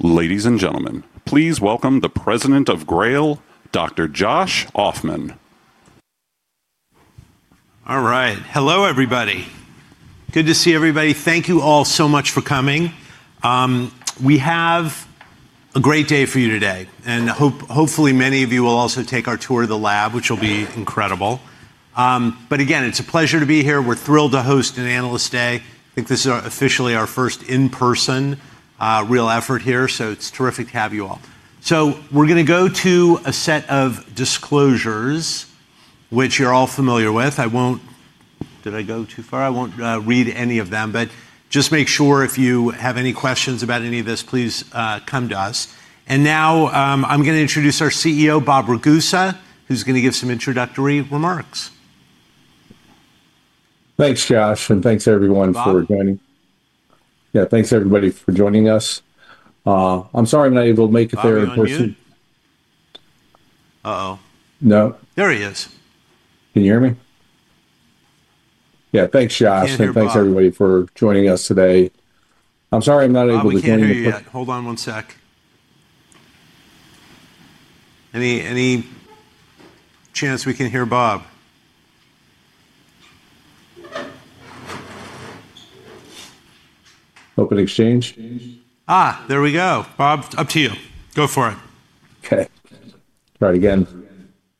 Ladies and gentlemen, please welcome the President of GRAIL, Dr. Josh Ofman. All right, hello everybody. Good to see everybody. Thank you all so much for coming. We have a great day for you today, and hopefully many of you will also take our tour of the lab, which will be incredible. Again, it's a pleasure to be here. We're thrilled to host an Analyst Day. I think this is officially our first in-person real effort here, so it's terrific to have you all. We're going to go to a set of disclosures, which you're all familiar with. I won't—did I go too far? I won't read any of them, but just make sure if you have any questions about any of this, please come to us. Now I'm going to introduce our CEO, Bob Ragusa, who's going to give some introductory remarks. Thanks, Josh, and thanks everyone for joining. Yeah, thanks everybody for joining us. I'm sorry I'm not able to make it there in person. Uh-oh. No? There he is. Can you hear me? Yeah, thanks, Josh, and thanks everybody for joining us today. I'm sorry I'm not able to join you. Hold on one sec. Any chance we can hear Bob? Open exchange? There we go. Bob, up to you. Go for it. Okay. Try it again.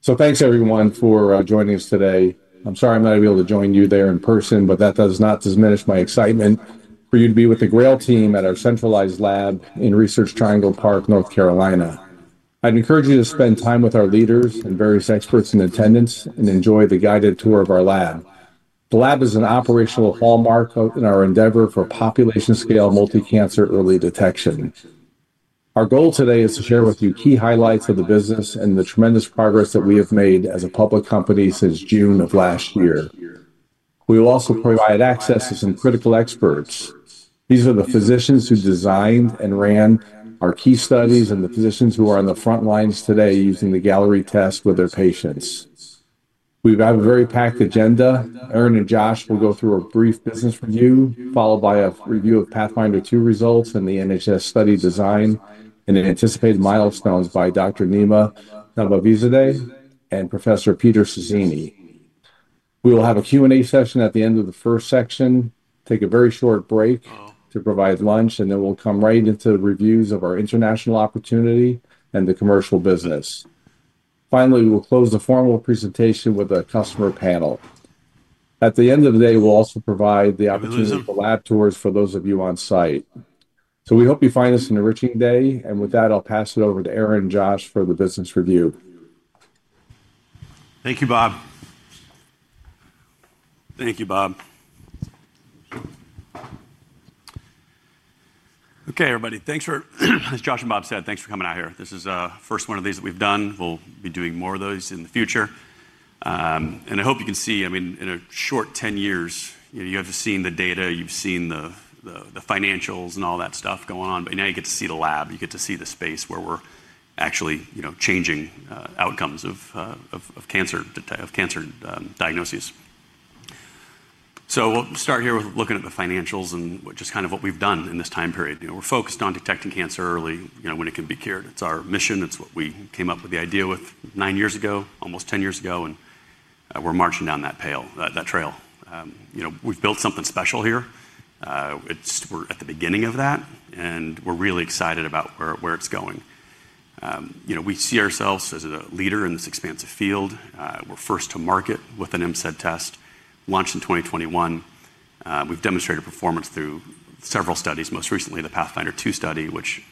Thanks everyone for joining us today. I'm sorry I'm not able to join you there in person, but that does not diminish my excitement for you to be with the GRAIL team at our centralized lab in Research Triangle Park, North Carolina. I'd encourage you to spend time with our leaders and various experts in attendance and enjoy the guided tour of our lab. The lab is an operational hallmark in our endeavor for population-scale multi-cancer early detection. Our goal today is to share with you key highlights of the business and the tremendous progress that we have made as a public company since June of last year. We will also provide access to some critical experts. These are the physicians who designed and ran our key studies and the physicians who are on the front lines today using the Galleri test with their patients. We've got a very packed agenda. Aaron and Josh will go through a brief business review, followed by a review of PATHFINDER II results and the NHS study design and anticipated milestones by Dr. Nima Nabavizadeh and Professor Peter Sasieni. We will have a Q&A session at the end of the first section, take a very short break to provide lunch, and then we'll come right into the reviews of our international opportunity and the commercial business. Finally, we'll close the formal presentation with a customer panel. At the end of the day, we'll also provide the opportunity for lab tours for those of you on site. We hope you find this an enriching day, and with that, I'll pass it over to Aaron and Josh for the business review. Thank you, Bob. Thank you, Bob. Okay, everybody, thanks for—as Josh and Bob said. Thanks for coming out here. This is the first one of these that we've done. We'll be doing more of those in the future. I hope you can see, I mean, in a short 10 years, you have seen the data, you've seen the financials and all that stuff going on, but now you get to see the lab, you get to see the space where we're actually changing outcomes of cancer diagnoses. We'll start here with looking at the financials and just kind of what we've done in this time period. We're focused on detecting cancer early when it can be cured. It's our mission. It's what we came up with the idea with nine years ago, almost 10 years ago, and we're marching down that trail. We've built something special here. We're at the beginning of that, and we're really excited about where it's going. We see ourselves as a leader in this expansive field. We're first to market with an MCED test, launched in 2021. We've demonstrated performance through several studies, most recently the PATHFINDER II study, which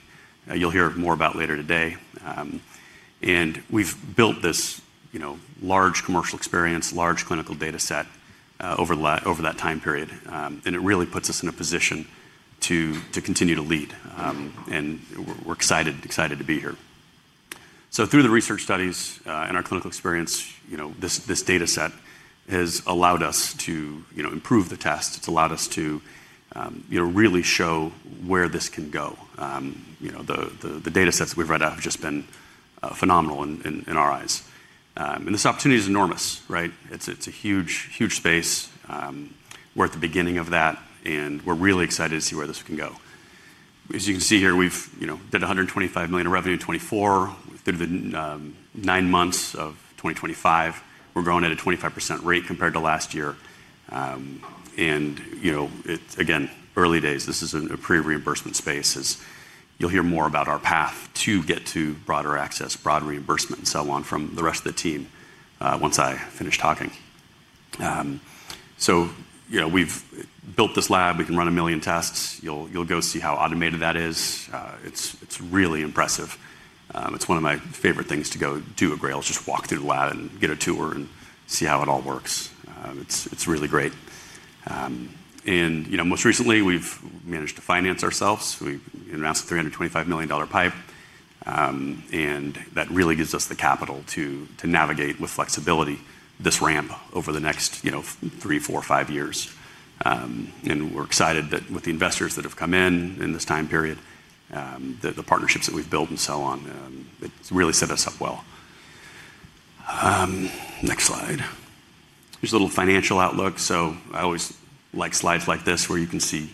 you'll hear more about later today. We've built this large commercial experience, large clinical data set over that time period, and it really puts us in a position to continue to lead, and we're excited to be here. Through the research studies and our clinical experience, this data set has allowed us to improve the test. It's allowed us to really show where this can go. The data sets that we've read out have just been phenomenal in our eyes. This opportunity is enormous, right? It's a huge space. We're at the beginning of that, and we're really excited to see where this can go. As you can see here, we did $125 million in revenue in 2024. Through the nine months of 2025, we're growing at a 25% rate compared to last year. Again, early days, this is a pre-reimbursement space, as you'll hear more about our path to get to broader access, broad reimbursement, and so on from the rest of the team once I finish talking. We've built this lab. We can run a million tests. You'll go see how automated that is. It's really impressive. It's one of my favorite things to go do at GRAIL, just walk through the lab and get a tour and see how it all works. It's really great. Most recently, we've managed to finance ourselves. We announced a $325 million pipe, and that really gives us the capital to navigate with flexibility this ramp over the next three, four, five years. We're excited that with the investors that have come in in this time period, the partnerships that we've built and so on, it's really set us up well. Next slide. Here's a little financial outlook. I always like slides like this where you can see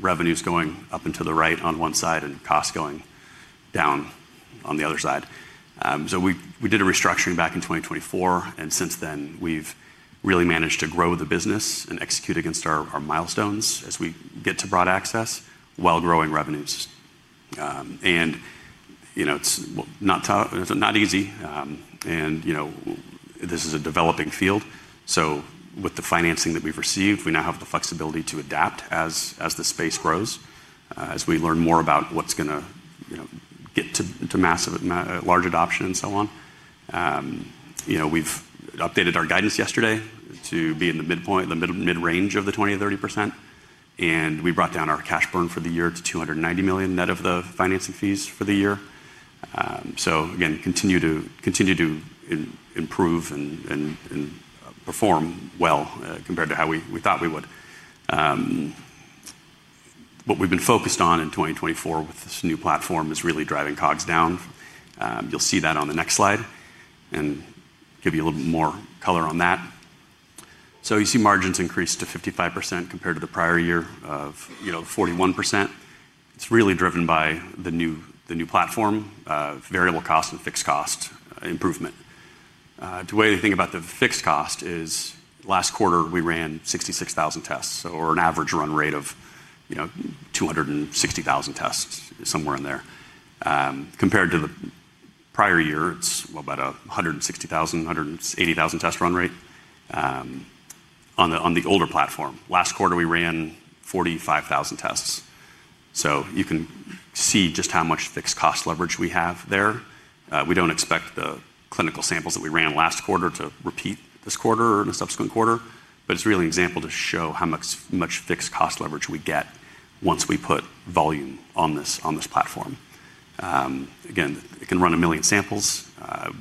revenues going up and to the right on one side and costs going down on the other side. We did a restructuring back in 2024, and since then, we've really managed to grow the business and execute against our milestones as we get to broad access while growing revenues. It's not easy, and this is a developing field. With the financing that we've received, we now have the flexibility to adapt as the space grows, as we learn more about what's going to get to large adoption and so on. We've updated our guidance yesterday to be in the mid-range of the 20-30%, and we brought down our cash burn for the year to $290 million net of the financing fees for the year. Again, continue to improve and perform well compared to how we thought we would. What we've been focused on in 2024 with this new platform is really driving COGS down. You'll see that on the next slide and give you a little more color on that. You see margins increased to 55% compared to the prior year of 41%. It's really driven by the new platform, variable cost and fixed cost improvement. The way to think about the fixed cost is last quarter, we ran 66,000 tests, or an average run rate of 260,000 tests, somewhere in there. Compared to the prior year, it's about 160,000-180,000 test run rate on the older platform. Last quarter, we ran 45,000 tests. You can see just how much fixed cost leverage we have there. We don't expect the clinical samples that we ran last quarter to repeat this quarter or in a subsequent quarter, but it's really an example to show how much fixed cost leverage we get once we put volume on this platform. Again, it can run a million samples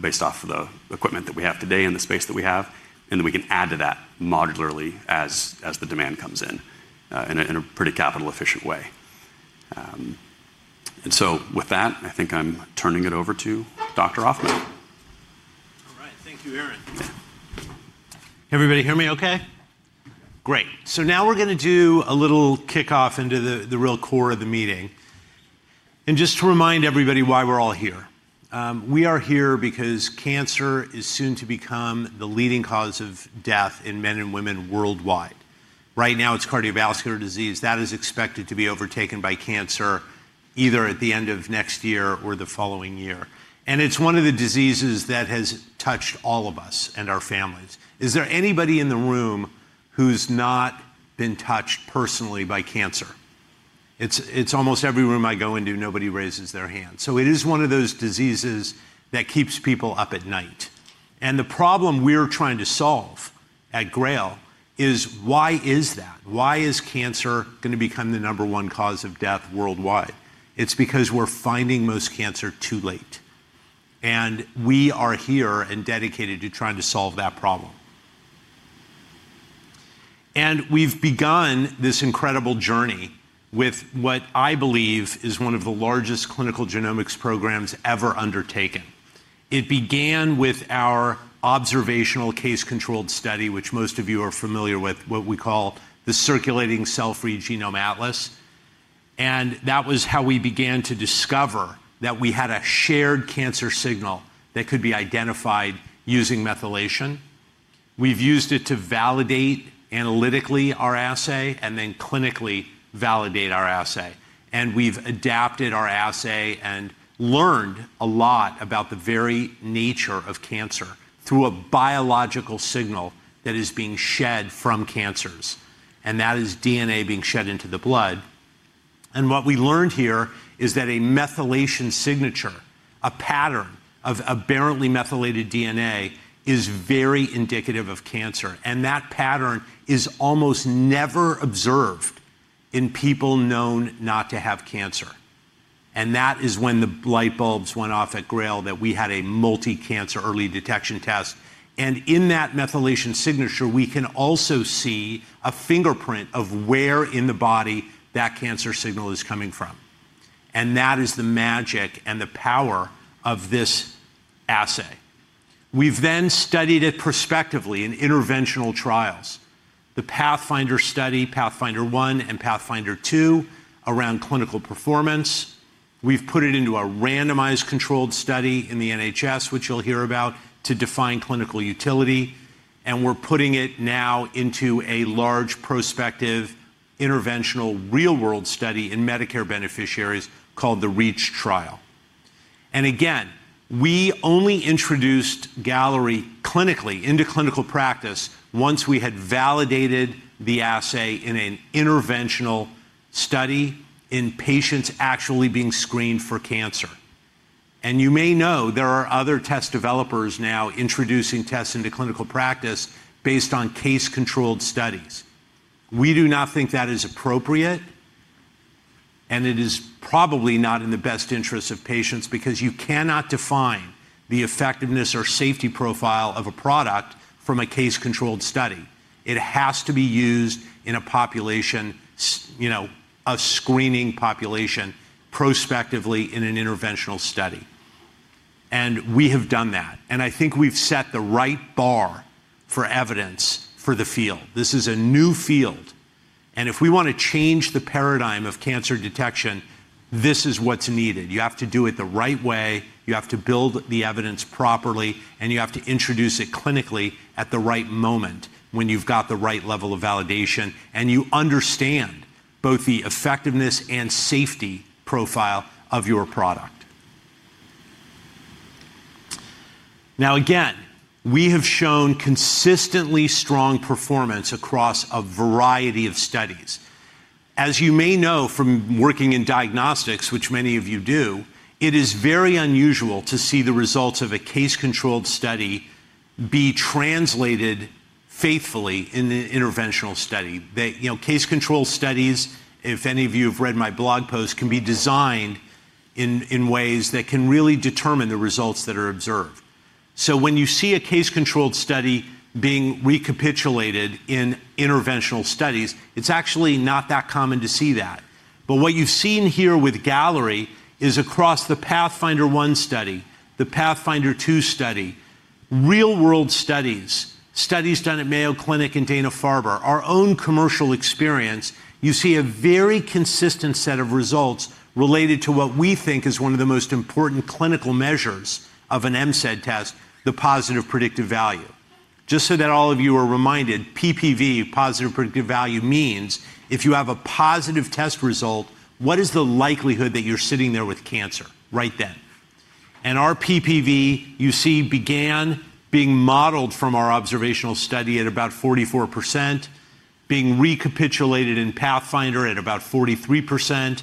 based off the equipment that we have today and the space that we have, and then we can add to that modularly as the demand comes in in a pretty capital-efficient way. With that, I think I'm turning it over to Dr. Ofman. All right, thank you, Aaron. Everybody hear me okay? Great. Now we're going to do a little kickoff into the real core of the meeting. Just to remind everybody why we're all here. We are here because cancer is soon to become the leading cause of death in men and women worldwide. Right now, it's cardiovascular disease that is expected to be overtaken by cancer either at the end of next year or the following year. It's one of the diseases that has touched all of us and our families. Is there anybody in the room who's not been touched personally by cancer? It's almost every room I go into, nobody raises their hand. It is one of those diseases that keeps people up at night. The problem we're trying to solve at GRAIL is why is that? Why is cancer going to become the number one cause of death worldwide? It's because we're finding most cancer too late. We are here and dedicated to trying to solve that problem. We've begun this incredible journey with what I believe is one of the largest clinical genomics programs ever undertaken. It began with our observational case-controlled study, which most of you are familiar with, what we call the Circulating Cell-free Genome Atlas. That was how we began to discover that we had a shared cancer signal that could be identified using methylation. We've used it to validate analytically our assay and then clinically validate our assay. We have adapted our assay and learned a lot about the very nature of cancer through a biological signal that is being shed from cancers, and that is DNA being shed into the blood. What we learned here is that a methylation signature, a pattern of apparently methylated DNA, is very indicative of cancer. That pattern is almost never observed in people known not to have cancer. That is when the light bulbs went off at GRAIL that we had a multi-cancer early detection test. In that methylation signature, we can also see a fingerprint of where in the body that cancer signal is coming from. That is the magic and the power of this assay. We have then studied it prospectively in interventional trials, the PATHFINDER study, PATHFINDER I, and PATHFINDER II around clinical performance. We've put it into a randomized controlled study in the NHS, which you'll hear about, to define clinical utility. We're putting it now into a large prospective interventional real-world study in Medicare beneficiaries called the REACH trial. We only introduced Galleri clinically into clinical practice once we had validated the assay in an interventional study in patients actually being screened for cancer. You may know there are other test developers now introducing tests into clinical practice based on case-controlled studies. We do not think that is appropriate, and it is probably not in the best interests of patients because you cannot define the effectiveness or safety profile of a product from a case-controlled study. It has to be used in a screening population prospectively in an interventional study. We have done that. I think we've set the right bar for evidence for the field. This is a new field. If we want to change the paradigm of cancer detection, this is what's needed. You have to do it the right way. You have to build the evidence properly, and you have to introduce it clinically at the right moment when you've got the right level of validation and you understand both the effectiveness and safety profile of your product. Now, again, we have shown consistently strong performance across a variety of studies. As you may know from working in diagnostics, which many of you do, it is very unusual to see the results of a case-controlled study be translated faithfully in an interventional study. Case-controlled studies, if any of you have read my blog post, can be designed in ways that can really determine the results that are observed. When you see a case-controlled study being recapitulated in interventional studies, it's actually not that common to see that. What you've seen here with Galleri is across the PATHFINDER I study, the PATHFINDER II study, real-world studies, studies done at Mayo Clinic and Dana-Farber, our own commercial experience, you see a very consistent set of results related to what we think is one of the most important clinical measures of an MCED test, the positive predictive value. Just so that all of you are reminded, PPV, positive predictive value, means if you have a positive test result, what is the likelihood that you're sitting there with cancer right then? Our PPV, you see, began being modeled from our observational study at about 44%, being recapitulated in PATHFINDER at about 43%.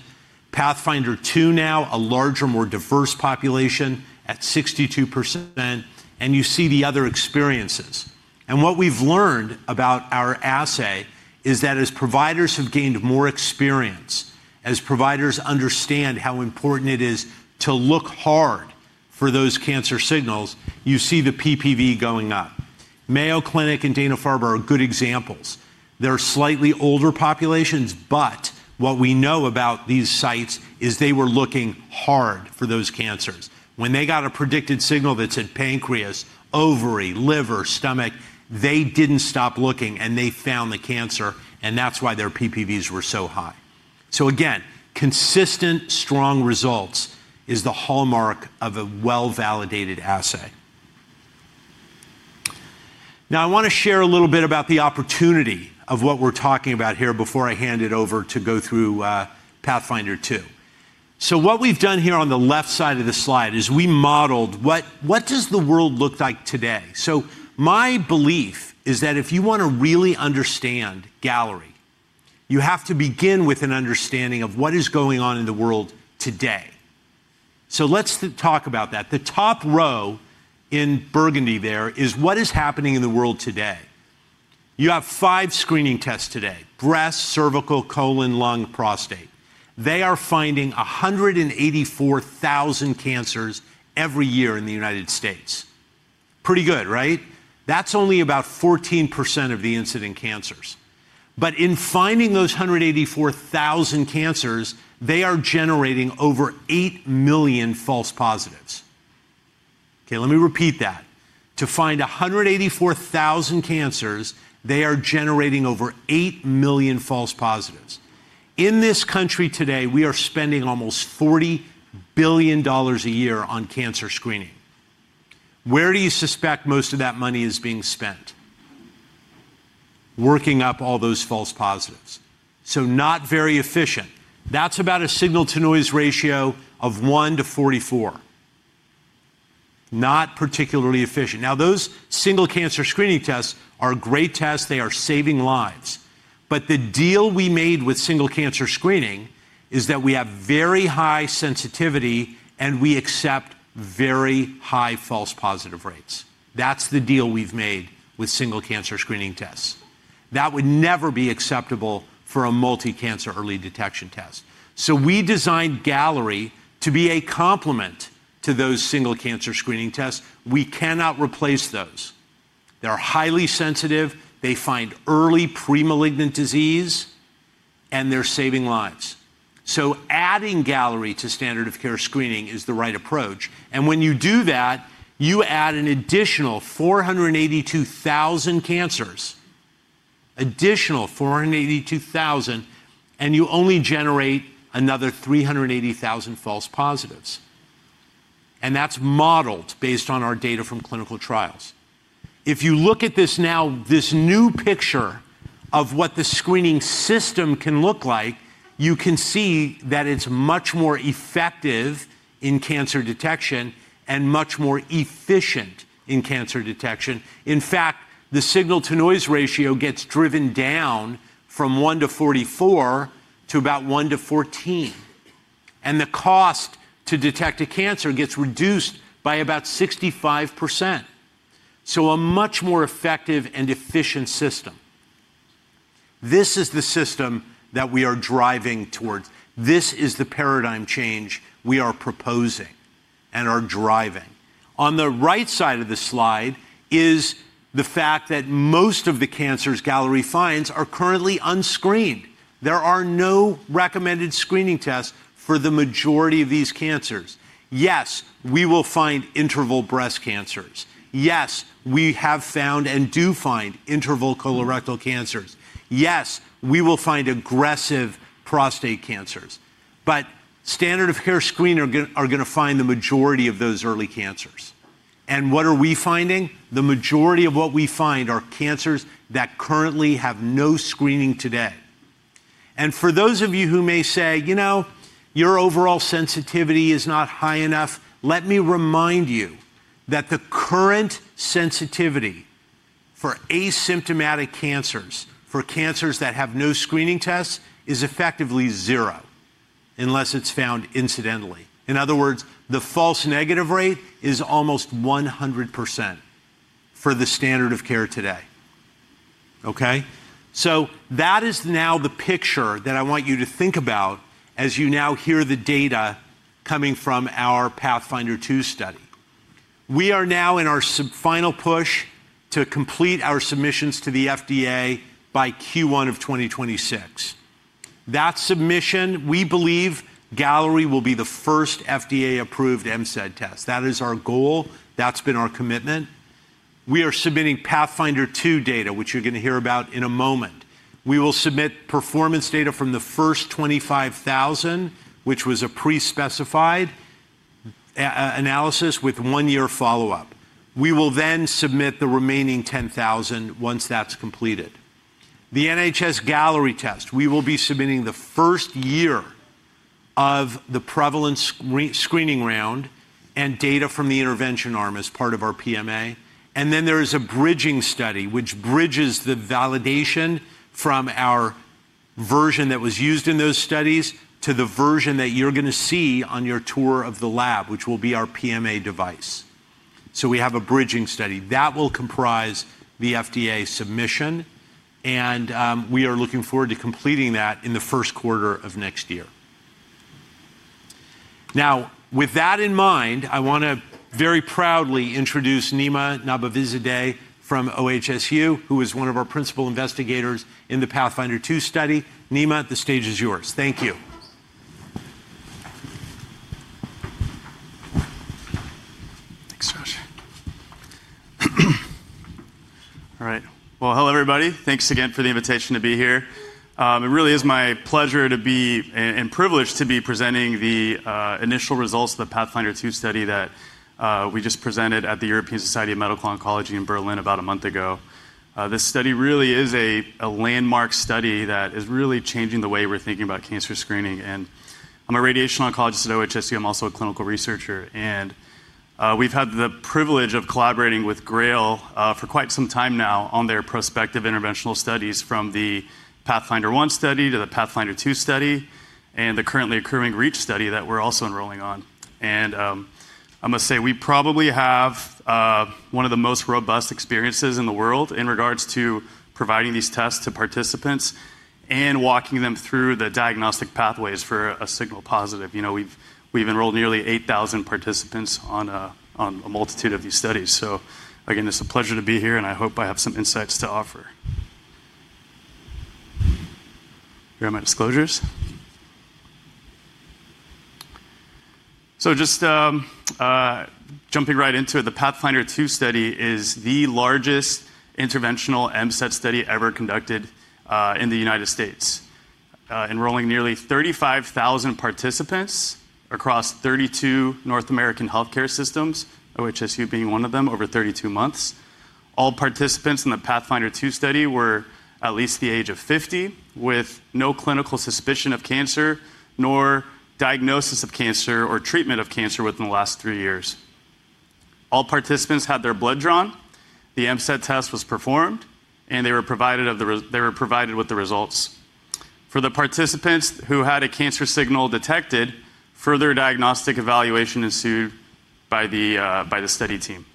PATHFINDER II now, a larger, more diverse population at 62%. You see the other experiences. What we've learned about our assay is that as providers have gained more experience, as providers understand how important it is to look hard for those cancer signals, you see the PPV going up. Mayo Clinic and Dana-Farber are good examples. They're slightly older populations, but what we know about these sites is they were looking hard for those cancers. When they got a predicted signal that's in pancreas, ovary, liver, stomach, they did not stop looking and they found the cancer, and that's why their PPVs were so high. Again, consistent, strong results is the hallmark of a well-validated assay. I want to share a little bit about the opportunity of what we're talking about here before I hand it over to go through PATHFINDER II. What we've done here on the left side of the slide is we modeled what does the world look like today? My belief is that if you want to really understand Galleri, you have to begin with an understanding of what is going on in the world today. Let's talk about that. The top row in burgundy there is what is happening in the world today. You have five screening tests today: breast, cervical, colon, lung, prostate. They are finding 184,000 cancers every year in the United States. Pretty good, right? That's only about 14% of the incident cancers. In finding those 184,000 cancers, they are generating over 8 million false positives. Let me repeat that. To find 184,000 cancers, they are generating over 8 million false positives. In this country today, we are spending almost $40 billion a year on cancer screening. Where do you suspect most of that money is being spent? Working up all those false positives. Not very efficient. That is about a signal-to-noise ratio of 1-44. Not particularly efficient. Now, those single cancer screening tests are great tests. They are saving lives. The deal we made with single cancer screening is that we have very high sensitivity and we accept very high false positive rates. That is the deal we have made with single cancer screening tests. That would never be acceptable for a multi-cancer early detection test. We designed Galleri to be a complement to those single cancer screening tests. We cannot replace those. They are highly sensitive. They find early premalignant disease, and they are saving lives. Adding Galleri to standard of care screening is the right approach. When you do that, you add an additional 482,000 cancers, additional 482,000, and you only generate another 380,000 false positives. That is modeled based on our data from clinical trials. If you look at this now, this new picture of what the screening system can look like, you can see that it is much more effective in cancer detection and much more efficient in cancer detection. In fact, the signal-to-noise ratio gets driven down from 1-44 to about 1-14. The cost to detect a cancer gets reduced by about 65%. A much more effective and efficient system. This is the system that we are driving towards. This is the paradigm change we are proposing and are driving. On the right side of the slide is the fact that most of the cancers Galleri finds are currently unscreened. There are no recommended screening tests for the majority of these cancers. Yes, we will find interval breast cancers. Yes, we have found and do find interval colorectal cancers. Yes, we will find aggressive prostate cancers. Standard of care screener are going to find the majority of those early cancers. What are we finding? The majority of what we find are cancers that currently have no screening today. For those of you who may say, "You know, your overall sensitivity is not high enough," let me remind you that the current sensitivity for asymptomatic cancers, for cancers that have no screening tests, is effectively zero unless it is found incidentally. In other words, the false negative rate is almost 100% for the standard of care today. Okay? That is now the picture that I want you to think about as you now hear the data coming from our PATHFINDER II study. We are now in our final push to complete our submissions to the FDA by Q1 of 2026. That submission, we believe Galleri will be the first FDA-approved MCED test. That is our goal. That has been our commitment. We are submitting PATHFINDER II data, which you are going to hear about in a moment. We will submit performance data from the first 25,000, which was a pre-specified analysis with one-year follow-up. We will then submit the remaining 10,000 once that is completed. The NHS-Galleri test, we will be submitting the first year of the prevalence screening round and data from the intervention arm as part of our PMA. There is a bridging study, which bridges the validation from our version that was used in those studies to the version that you're going to see on your tour of the lab, which will be our PMA device. We have a bridging study that will comprise the FDA submission, and we are looking forward to completing that in the first quarter of next year. Now, with that in mind, I want to very proudly introduce Nima Nabavizadeh from OHSU, who is one of our principal investigators in the PATHFINDER II study. Nima, the stage is yours. Thank you. Thanks, Josh. All right. Hello, everybody. Thanks again for the invitation to be here. It really is my pleasure and privilege to be presenting the initial results of the PATHFINDER II study that we just presented at the European Society of Medical Oncology in Berlin about a month ago. This study really is a landmark study that is really changing the way we're thinking about cancer screening. I'm a radiation oncologist at OHSU. I'm also a clinical researcher. We've had the privilege of collaborating with GRAIL for quite some time now on their prospective interventional studies from the PATHFINDER I study to the PATHFINDER II study and the currently occurring REACH study that we're also enrolling on. I must say, we probably have one of the most robust experiences in the world in regards to providing these tests to participants and walking them through the diagnostic pathways for a signal positive. We've enrolled nearly 8,000 participants on a multitude of these studies. Again, it's a pleasure to be here, and I hope I have some insights to offer. Here are my disclosures. Just jumping right into it, the PATHFINDER II study is the largest interventional MCED study ever conducted in the United States, enrolling nearly 35,000 participants across 32 North American healthcare systems, OHSU being one of them, over 32 months. All participants in the PATHFINDER II study were at least the age of 50, with no clinical suspicion of cancer nor diagnosis of cancer or treatment of cancer within the last three years. All participants had their blood drawn. The MCED test was performed, and they were provided with the results. For the participants who had a cancer signal detected, further diagnostic evaluation ensued by the study team.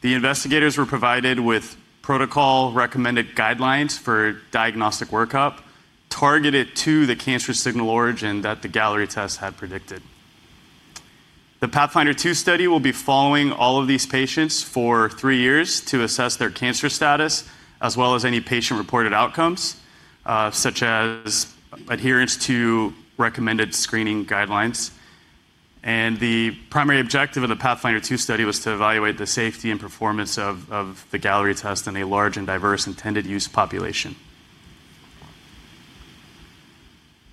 The investigators were provided with protocol-recommended guidelines for diagnostic workup targeted to the cancer signal origin that the Galleri test had predicted. The PATHFINDER II study will be following all of these patients for three years to assess their cancer status, as well as any patient-reported outcomes, such as adherence to recommended screening guidelines. The primary objective of the PATHFINDER II study was to evaluate the safety and performance of the Galleri test in a large and diverse intended use population.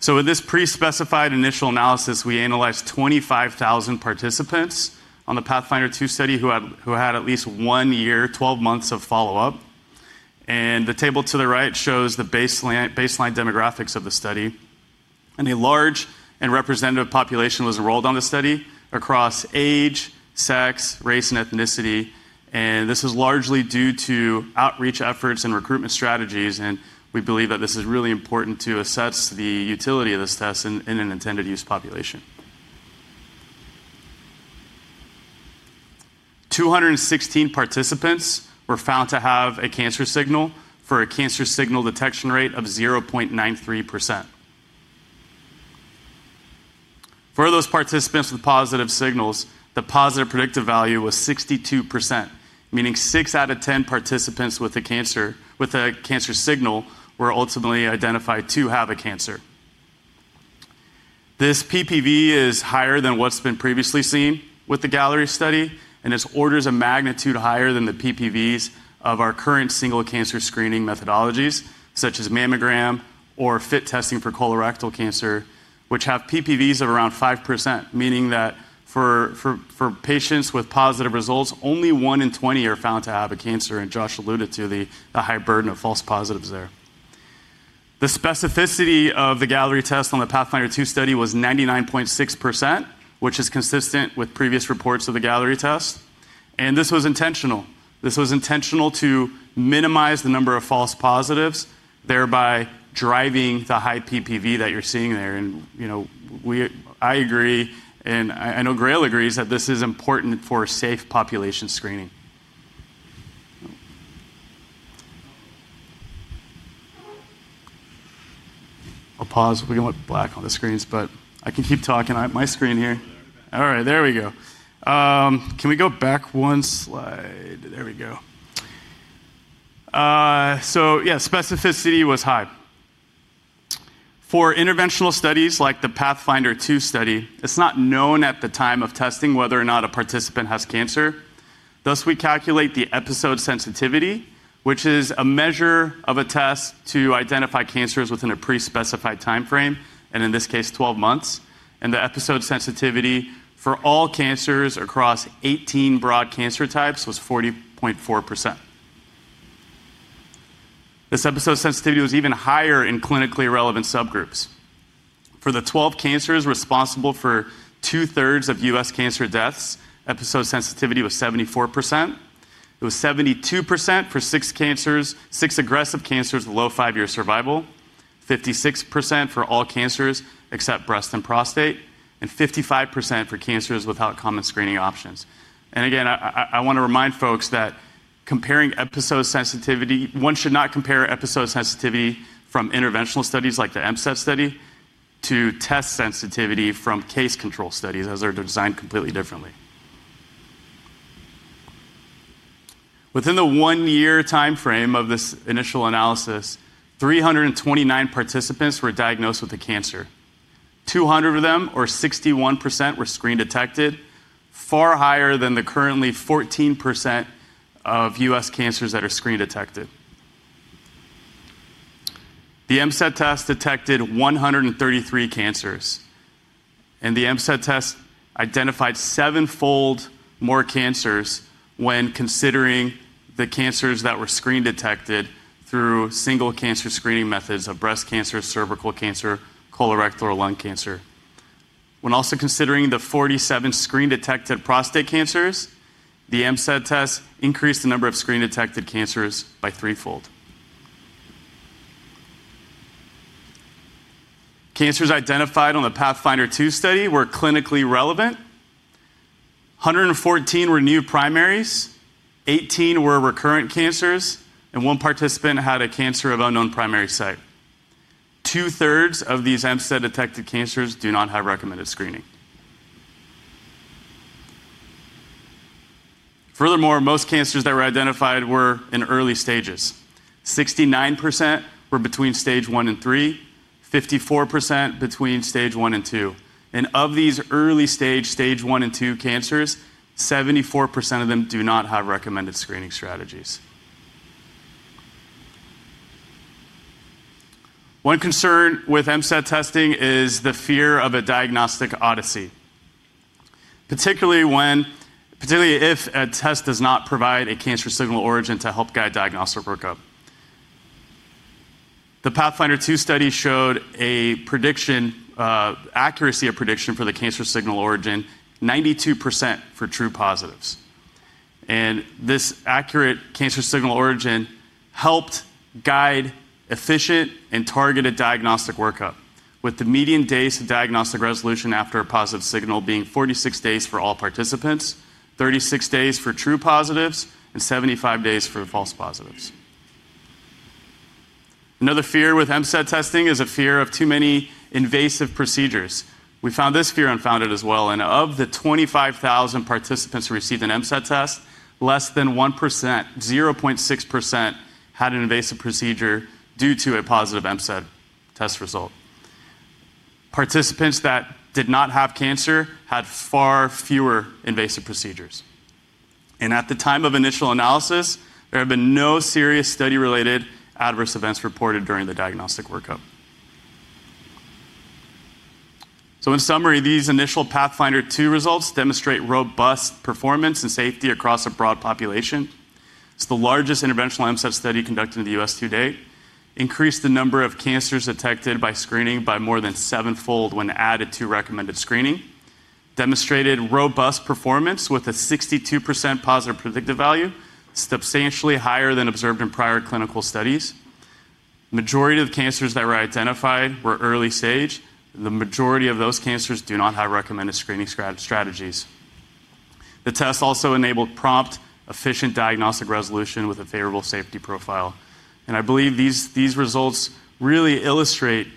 With this pre-specified initial analysis, we analyzed 25,000 participants on the PATHFINDER II study who had at least one year, 12 months of follow-up. The table to the right shows the baseline demographics of the study. A large and representative population was enrolled on the study across age, sex, race, and ethnicity. This was largely due to outreach efforts and recruitment strategies. We believe that this is really important to assess the utility of this test in an intended use population. 216 participants were found to have a cancer signal for a cancer signal detection rate of 0.93%. For those participants with positive signals, the positive predictive value was 62%, meaning 6 out of 10 participants with a cancer signal were ultimately identified to have a cancer. This PPV is higher than what's been previously seen with the Galleri study, and it's orders of magnitude higher than the PPVs of our current single cancer screening methodologies, such as mammogram or FIT testing for colorectal cancer, which have PPVs of around 5%, meaning that for patients with positive results, only 1 in 20 are found to have a cancer. Josh alluded to the high burden of false positives there. The specificity of the Galleri test on the PATHFINDER II study was 99.6%, which is consistent with previous reports of the Galleri test. This was intentional. This was intentional to minimize the number of false positives, thereby driving the high PPV that you're seeing there. I agree, and I know GRAIL agrees, that this is important for safe population screening. I'll pause. We're going to want black on the screens, but I can keep talking. My screen here. All right, there we go. Can we go back one slide? There we go. Specificity was high. For interventional studies like the PATHFINDER II study, it is not known at the time of testing whether or not a participant has cancer. Thus, we calculate the episode sensitivity, which is a measure of a test to identify cancers within a pre-specified time frame, and in this case, 12 months. The episode sensitivity for all cancers across 18 broad cancer types was 40.4%. This episode sensitivity was even higher in clinically relevant subgroups. For the 12 cancers responsible for two-thirds of U.S. cancer deaths, episode sensitivity was 74%. It was 72% for six aggressive cancers with low five-year survival, 56% for all cancers except breast and prostate, and 55% for cancers without common screening options. Again, I want to remind folks that comparing episode sensitivity, one should not compare episode sensitivity from interventional studies like the MCED study to test sensitivity from case-control studies, as they're designed completely differently. Within the one-year time frame of this initial analysis, 329 participants were diagnosed with a cancer. Two hundred of them, or 61%, were screen-detected, far higher than the currently 14% of U.S. cancers that are screen-detected. The MCED test detected 133 cancers. The MCED test identified seven-fold more cancers when considering the cancers that were screen-detected through single cancer screening methods of breast cancer, cervical cancer, colorectal, or lung cancer. When also considering the 47 screen-detected prostate cancers, the MCED test increased the number of screen-detected cancers by threefold. Cancers identified on the PATHFINDER II study were clinically relevant. 114 were new primaries, 18 were recurrent cancers, and one participant had a cancer of unknown primary site. Two-thirds of these MCED-detected cancers do not have recommended screening. Furthermore, most cancers that were identified were in early stages. 69% were between stage one and three, 54% between stage one and two. Of these early-stage stage one and two cancers, 74% of them do not have recommended screening strategies. One concern with MCED testing is the fear of a diagnostic odyssey, particularly if a test does not provide a cancer signal origin to help guide diagnostic workup. The PATHFINDER II study showed an accuracy of prediction for the cancer signal origin, 92% for true positives. This accurate cancer signal origin helped guide efficient and targeted diagnostic workup, with the median days of diagnostic resolution after a positive signal being 46 days for all participants, 36 days for true positives, and 75 days for false positives. Another fear with MCED testing is a fear of too many invasive procedures. We found this fear unfounded as well. Of the 25,000 participants who received an MCED test, less than 1%, 0.6%, had an invasive procedure due to a positive MCED test result. Participants that did not have cancer had far fewer invasive procedures. At the time of initial analysis, there have been no serious study-related adverse events reported during the diagnostic workup. In summary, these initial PATHFINDER II results demonstrate robust performance and safety across a broad population. It is the largest interventional MCED study conducted in the U.S. to date. Increased the number of cancers detected by screening by more than seven-fold when added to recommended screening. Demonstrated robust performance with a 62% positive predictive value, substantially higher than observed in prior clinical studies. The majority of the cancers that were identified were early-stage. The majority of those cancers do not have recommended screening strategies. The test also enabled prompt, efficient diagnostic resolution with a favorable safety profile. I believe these results really illustrate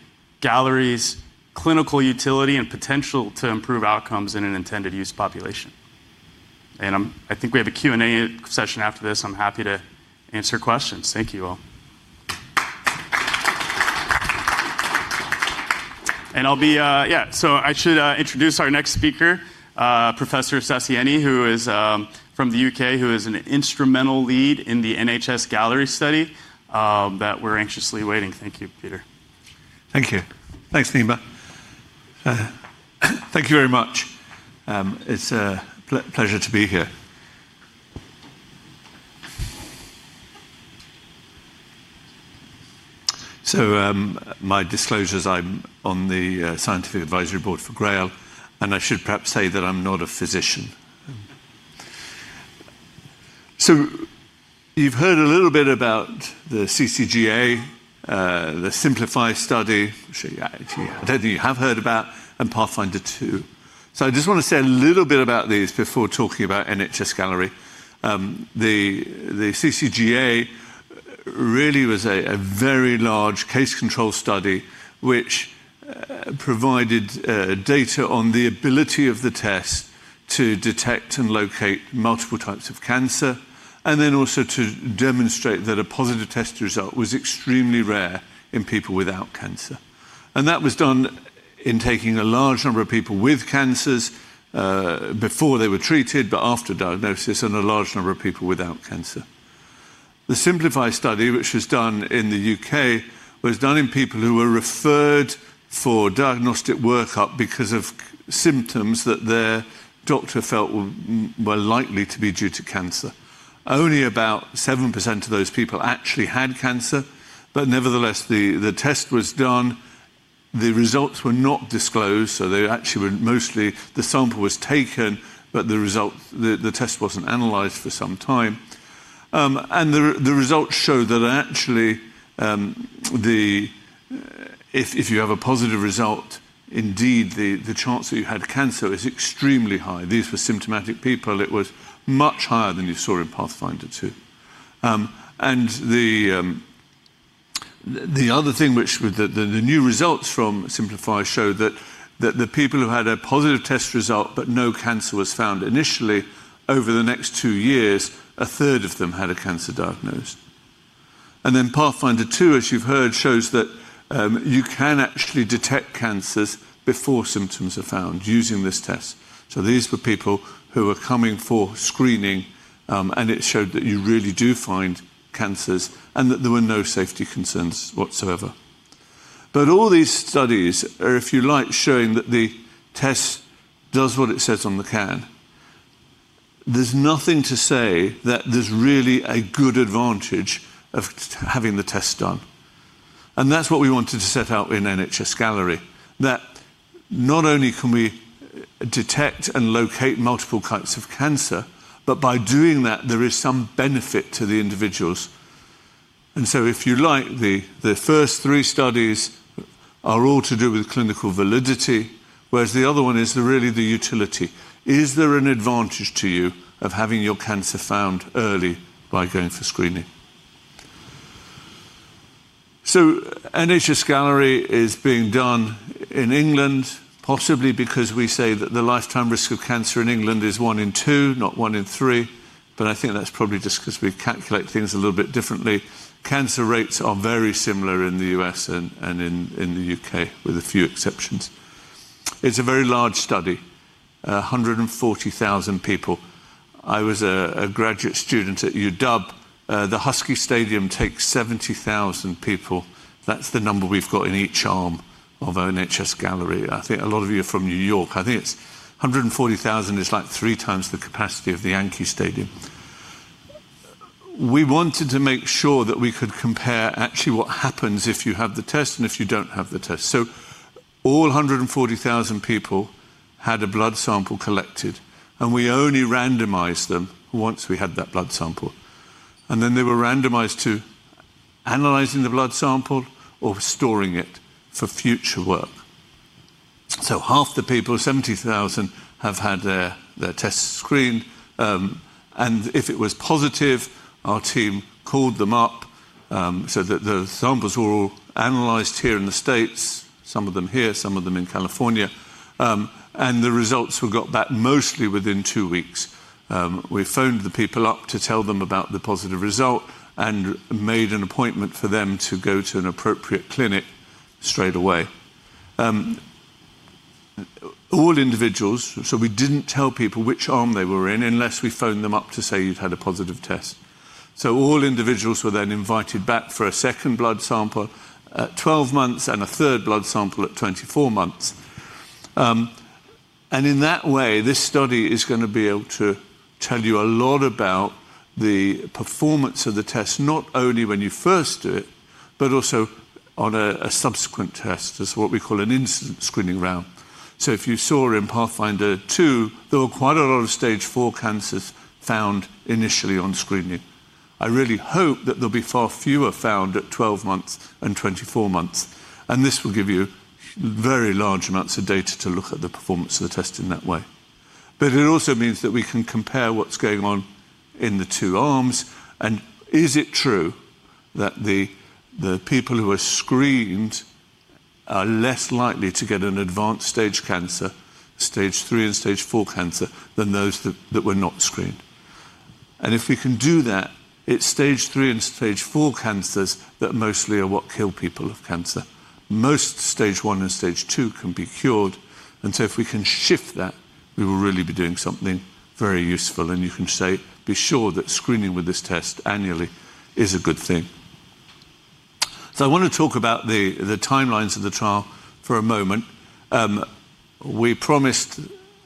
Galleri's clinical utility and potential to improve outcomes in an intended use population. I think we have a Q&A session after this. I'm happy to answer questions. Thank you all. I'll be, yeah, I should introduce our next speaker, Professor Sasieni, who is from the U.K., who is an instrumental lead in the NHS-Galleri study that we're anxiously awaiting. Thank you, Peter. Thank you. Thanks, Nima. Thank you very much. It's a pleasure to be here. My disclosures, I'm on the Scientific Advisory Board for GRAIL, and I should perhaps say that I'm not a physician. You've heard a little bit about the CCGA, the SYMPLIFY study, which I don't think you have heard about, and PATHFINDER II. I just want to say a little bit about these before talking about the NHS-Galleri study. The CCGA really was a very large case-controlled study, which provided data on the ability of the test to detect and locate multiple types of cancer, and then also to demonstrate that a positive test result was extremely rare in people without cancer. That was done in taking a large number of people with cancers before they were treated, but after diagnosis, and a large number of people without cancer. The SYMPLIFY study, which was done in the U.K., was done in people who were referred for diagnostic workup because of symptoms that their doctor felt were likely to be due to cancer. Only about 7% of those people actually had cancer. Nevertheless, the test was done. The results were not disclosed, so actually mostly the sample was taken, but the test was not analyzed for some time. The results showed that actually, if you have a positive result, indeed, the chance that you had cancer is extremely high. These were symptomatic people. It was much higher than you saw in PATHFINDER II. The other thing, which the new results from SYMPLIFY showed, was that the people who had a positive test result but no cancer was found initially, over the next two years, a third of them had a cancer diagnosed. PATHFINDER II, as you've heard, shows that you can actually detect cancers before symptoms are found using this test. These were people who were coming for screening, and it showed that you really do find cancers and that there were no safety concerns whatsoever. All these studies, if you like, showing that the test does what it says on the can, there's nothing to say that there's really a good advantage of having the test done. That's what we wanted to set out in NHS-Galleri, that not only can we detect and locate multiple types of cancer, but by doing that, there is some benefit to the individuals. If you like, the first three studies are all to do with clinical validity, whereas the other one is really the utility. Is there an advantage to you of having your cancer found early by going for screening? NHS-Galleri is being done in England, possibly because we say that the lifetime risk of cancer in England is one in two, not one in three. I think that's probably just because we calculate things a little bit differently. Cancer rates are very similar in the U.S. and in the U.K., with a few exceptions. It's a very large study, 140,000 people. I was a graduate student at UW. The Husky Stadium takes 70,000 people. That's the number we've got in each arm of NHS-Galleri. I think a lot of you are from New York. I think 140,000 is like three times the capacity of the Yankee Stadium. We wanted to make sure that we could compare actually what happens if you have the test and if you do not have the test. All 140,000 people had a blood sample collected, and we only randomized them once we had that blood sample. They were randomized to analyzing the blood sample or storing it for future work. Half the people, 70,000, have had their test screened. If it was positive, our team called them up so that the samples were all analyzed here in the States, some of them here, some of them in California. The results were got back mostly within two weeks. We phoned the people up to tell them about the positive result and made an appointment for them to go to an appropriate clinic straight away. All individuals, so we didn't tell people which arm they were in unless we phoned them up to say you've had a positive test. All individuals were then invited back for a second blood sample at 12 months and a third blood sample at 24 months. In that way, this study is going to be able to tell you a lot about the performance of the test, not only when you first do it, but also on a subsequent test. It's what we call an incident screening round. If you saw in PATHFINDER II, there were quite a lot of stage four cancers found initially on screening. I really hope that there'll be far fewer found at 12 months and 24 months. This will give you very large amounts of data to look at the performance of the test in that way. It also means that we can compare what's going on in the two arms. Is it true that the people who are screened are less likely to get an advanced stage cancer, stage three and stage four cancer, than those that were not screened? If we can do that, it's stage three and stage four cancers that mostly are what kill people of cancer. Most stage one and stage two can be cured. If we can shift that, we will really be doing something very useful. You can be sure that screening with this test annually is a good thing. I want to talk about the timelines of the trial for a moment. We promised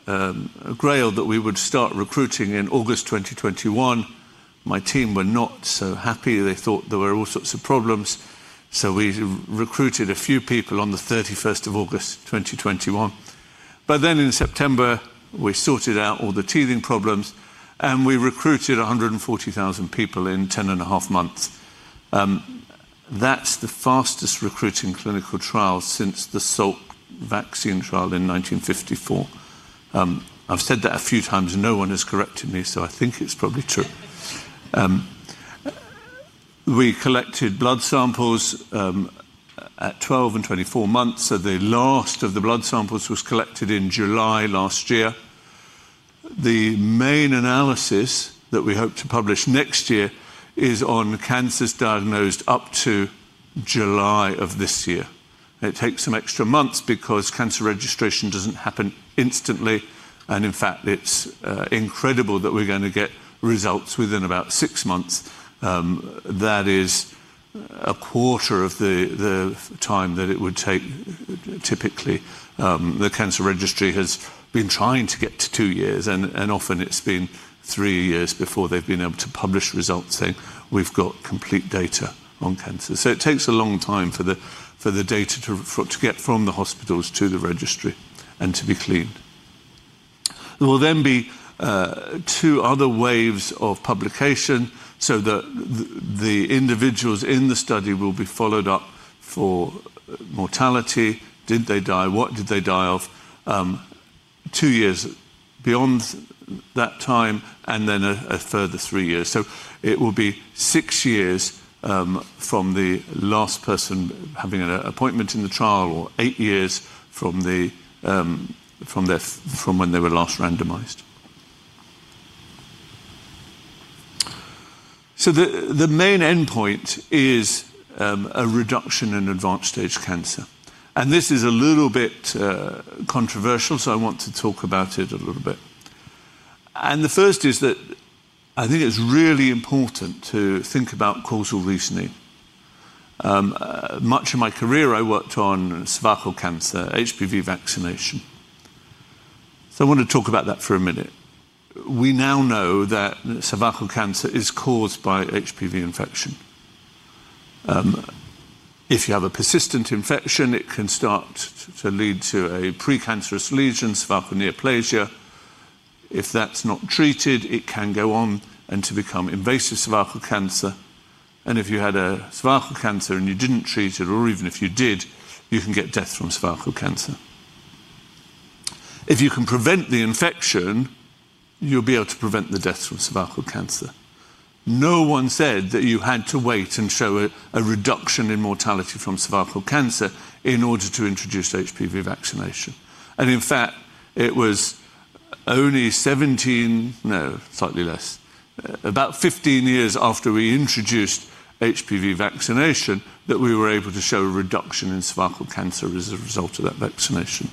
GRAIL that we would start recruiting in August 2021. My team were not so happy. They thought there were all sorts of problems. We recruited a few people on the 31st of August 2021. In September, we sorted out all the teething problems, and we recruited 140,000 people in 10 and a half months. That is the fastest recruiting clinical trial since the SALT vaccine trial in 1954. I've said that a few times. No one has corrected me, so I think it's probably true. We collected blood samples at 12 and 24 months. The last of the blood samples was collected in July last year. The main analysis that we hope to publish next year is on cancers diagnosed up to July of this year. It takes some extra months because cancer registration doesn't happen instantly. In fact, it's incredible that we're going to get results within about six months. That is a quarter of the time that it would take typically. The cancer registry has been trying to get to two years, and often it's been three years before they've been able to publish results saying we've got complete data on cancer. It takes a long time for the data to get from the hospitals to the registry and to be cleaned. There will then be two other waves of publication. The individuals in the study will be followed up for mortality. Did they die? What did they die of? Two years beyond that time, and then a further three years. It will be six years from the last person having an appointment in the trial or eight years from when they were last randomized. The main endpoint is a reduction in advanced stage cancer. This is a little bit controversial, so I want to talk about it a little bit. The first is that I think it's really important to think about causal reasoning. Much of my career, I worked on cervical cancer, HPV vaccination. I want to talk about that for a minute. We now know that cervical cancer is caused by HPV infection. If you have a persistent infection, it can start to lead to a precancerous lesion, cervical neoplasia. If that's not treated, it can go on and become invasive cervical cancer. If you had a cervical cancer and you did not treat it, or even if you did, you can get death from cervical cancer. If you can prevent the infection, you'll be able to prevent the death from cervical cancer. No one said that you had to wait and show a reduction in mortality from cervical cancer in order to introduce HPV vaccination. In fact, it was only 17, no, slightly less, about 15 years after we introduced HPV vaccination that we were able to show a reduction in cervical cancer as a result of that vaccination.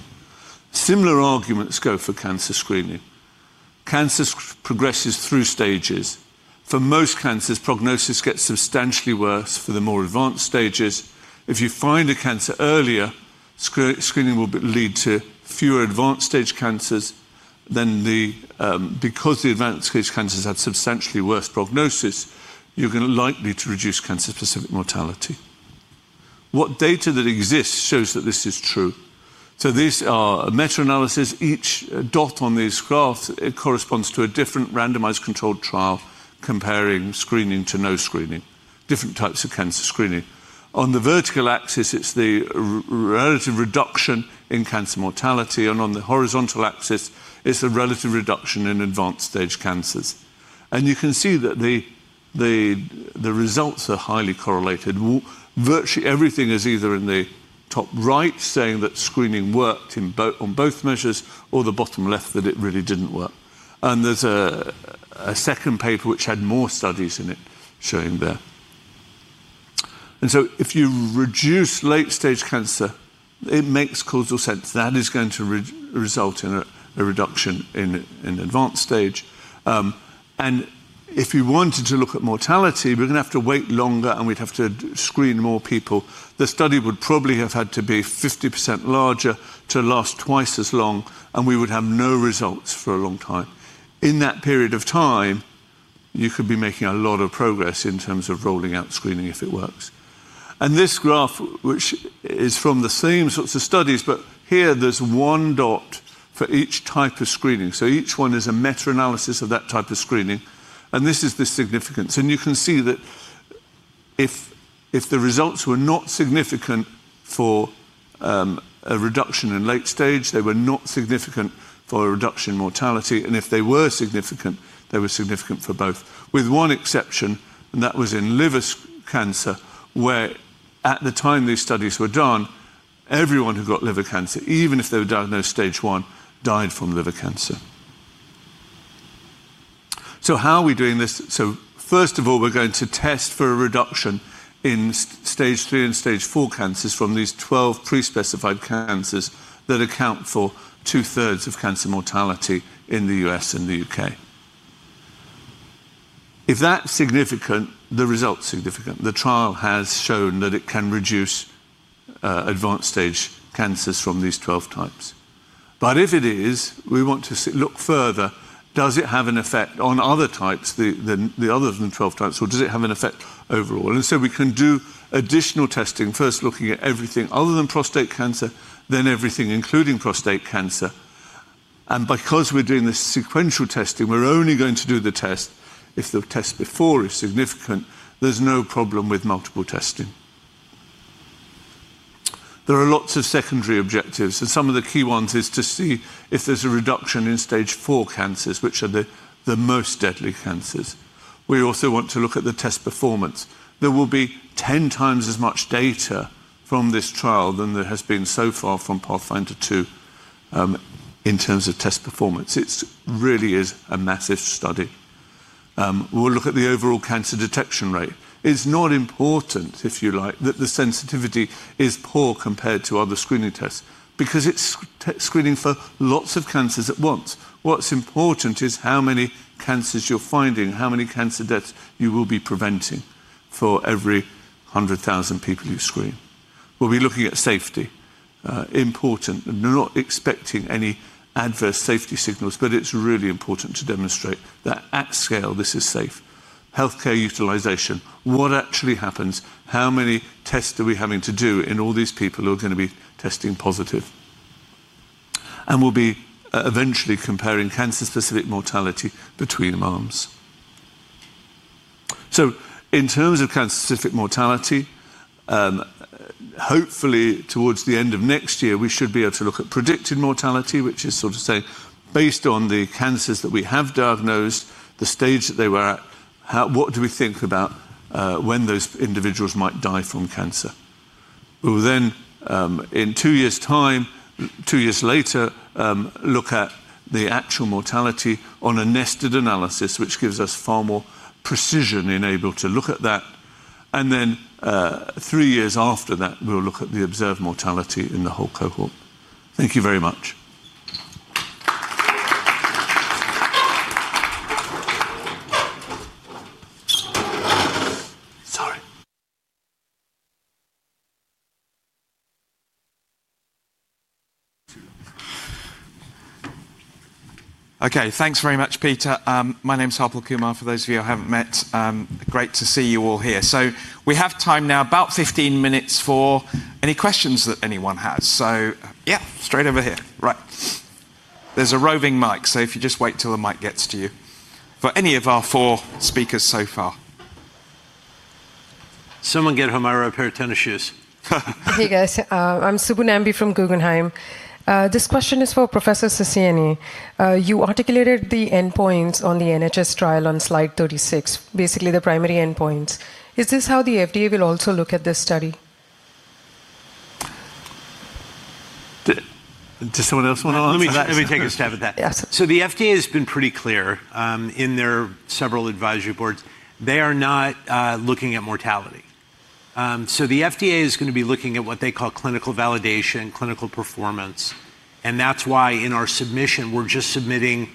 Similar arguments go for cancer screening. Cancer progresses through stages. For most cancers, prognosis gets substantially worse for the more advanced stages. If you find a cancer earlier, screening will lead to fewer advanced stage cancers. Because the advanced stage cancers have substantially worse prognosis, you are going to likely to reduce cancer-specific mortality. What data that exists shows that this is true. These are meta-analyses. Each dot on these graphs corresponds to a different randomized controlled trial comparing screening to no screening, different types of cancer screening. On the vertical axis, it is the relative reduction in cancer mortality. On the horizontal axis, it is the relative reduction in advanced stage cancers. You can see that the results are highly correlated. Virtually everything is either in the top right saying that screening worked on both measures or the bottom left that it really did not work. There is a second paper which had more studies in it showing that. If you reduce late stage cancer, it makes causal sense that is going to result in a reduction in advanced stage. If you wanted to look at mortality, we are going to have to wait longer, and we would have to screen more people. The study would probably have had to be 50% larger to last twice as long, and we would have no results for a long time. In that period of time, you could be making a lot of progress in terms of rolling out screening if it works. This graph, which is from the same sorts of studies, but here there is one dot for each type of screening. Each one is a meta-analysis of that type of screening. This is the significance. You can see that if the results were not significant for a reduction in late stage, they were not significant for a reduction in mortality. If they were significant, they were significant for both, with one exception, and that was in liver cancer, where at the time these studies were done, everyone who got liver cancer, even if they were diagnosed stage one, died from liver cancer. How are we doing this? First of all, we are going to test for a reduction in stage three and stage four cancers from these 12 pre-specified cancers that account for two-thirds of cancer mortality in the U.S. and the U.K. If that's significant, the result's significant. The trial has shown that it can reduce advanced stage cancers from these 12 types. If it is, we want to look further. Does it have an effect on other types, other than 12 types, or does it have an effect overall? We can do additional testing, first looking at everything other than prostate cancer, then everything including prostate cancer. Because we're doing this sequential testing, we're only going to do the test if the test before is significant. There's no problem with multiple testing. There are lots of secondary objectives. Some of the key ones is to see if there's a reduction in stage four cancers, which are the most deadly cancers. We also want to look at the test performance. There will be 10 times as much data from this trial than there has been so far from PATHFINDER II in terms of test performance. It really is a massive study. We'll look at the overall cancer detection rate. It's not important, if you like, that the sensitivity is poor compared to other screening tests because it's screening for lots of cancers at once. What's important is how many cancers you're finding, how many cancer deaths you will be preventing for every 100,000 people you screen. We'll be looking at safety. Important. We're not expecting any adverse safety signals, but it's really important to demonstrate that at scale, this is safe. Healthcare utilization. What actually happens? How many tests are we having to do in all these people who are going to be testing positive? We'll be eventually comparing cancer-specific mortality between arms. In terms of cancer-specific mortality, hopefully towards the end of next year, we should be able to look at predicted mortality, which is sort of saying, based on the cancers that we have diagnosed, the stage that they were at, what do we think about when those individuals might die from cancer? We'll then, in two years' time, two years later, look at the actual mortality on a nested analysis, which gives us far more precision in able to look at that. Three years after that, we'll look at the observed mortality in the whole cohort. Thank you very much. Sorry. Okay. Thanks very much, Peter. My name's Harpal Kumar, for those of you I haven't met. Great to see you all here. We have time now, about 15 minutes for any questions that anyone has. Yeah, straight over here. Right. There's a roving mic, so if you just wait till the mic gets to you for any of our four speakers so far. Someone get home. I wrote pair of tennis shoes. Here you go. I'm Subbu Nambi from Guggenheim. This question is for Professor Sasieni. You articulated the endpoints on the NHS trial on slide 36, basically the primary endpoints. Is this how the FDA will also look at this study? Does someone else want to answer that? Let me take a stab at that. The FDA has been pretty clear in their several advisory boards. They are not looking at mortality. The FDA is going to be looking at what they call clinical validation, clinical performance. That's why in our submission, we're just submitting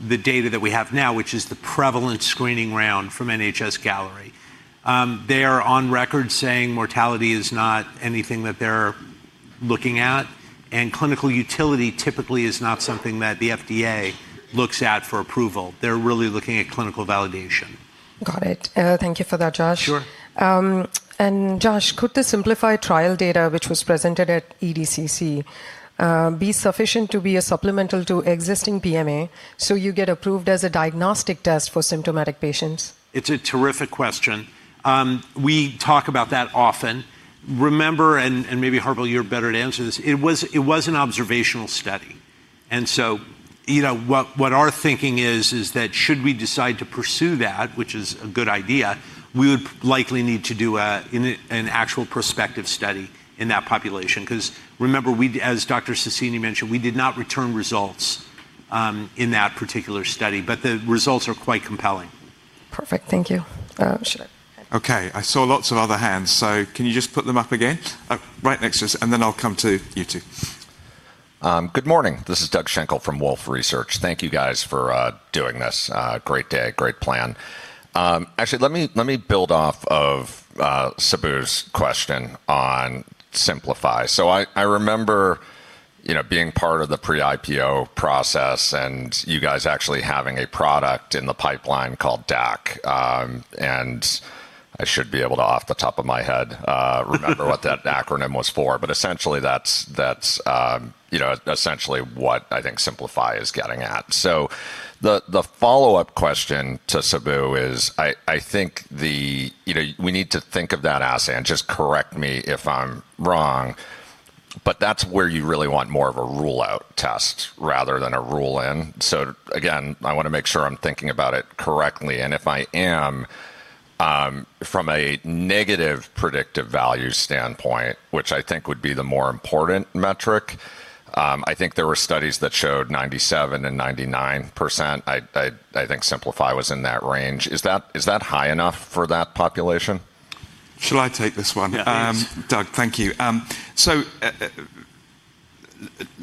the data that we have now, which is the prevalent screening round from NHS-Galleri. They are on record saying mortality is not anything that they're looking at. Clinical utility typically is not something that the FDA looks at for approval. They're really looking at clinical validation. Got it. Thank you for that, Josh. Sure. Josh, could the SYMPLIFY trial data, which was presented at ESMO, be sufficient to be a supplemental to existing PMA so you get approved as a diagnostic test for symptomatic patients? It's a terrific question. We talk about that often. Remember, and maybe Harpal, you're better to answer this, it was an observational study. What our thinking is, is that should we decide to pursue that, which is a good idea, we would likely need to do an actual prospective study in that population. Because remember, as Dr. Sasieni mentioned, we did not return results in that particular study, but the results are quite compelling. Perfect. Thank you. Bob. Sure. Okay. I saw lots of other hands. Can you just put them up again right next to us, and then I'll come to you two. Good morning. This is Doug Shankle from Wolfe Research. Thank you guys for doing this. Great day, great plan. Actually, let me build off of Subu's question on SYMPLIFY. I remember being part of the pre-IPO process and you guys actually having a product in the pipeline called DAC. I should be able to, off the top of my head, remember what that acronym was for. Essentially, that's essentially what I think SYMPLIFY is getting at. The follow-up question to Subu is, I think we need to think of that as, and just correct me if I'm wrong, but that's where you really want more of a rule-out test rather than a rule-in. Again, I want to make sure I'm thinking about it correctly. If I am, from a negative predictive value standpoint, which I think would be the more important metric, I think there were studies that showed 97% and 99%. I think SYMPLIFY was in that range. Is that high enough for that population? Shall I take this one? Yeah. Doug, thank you.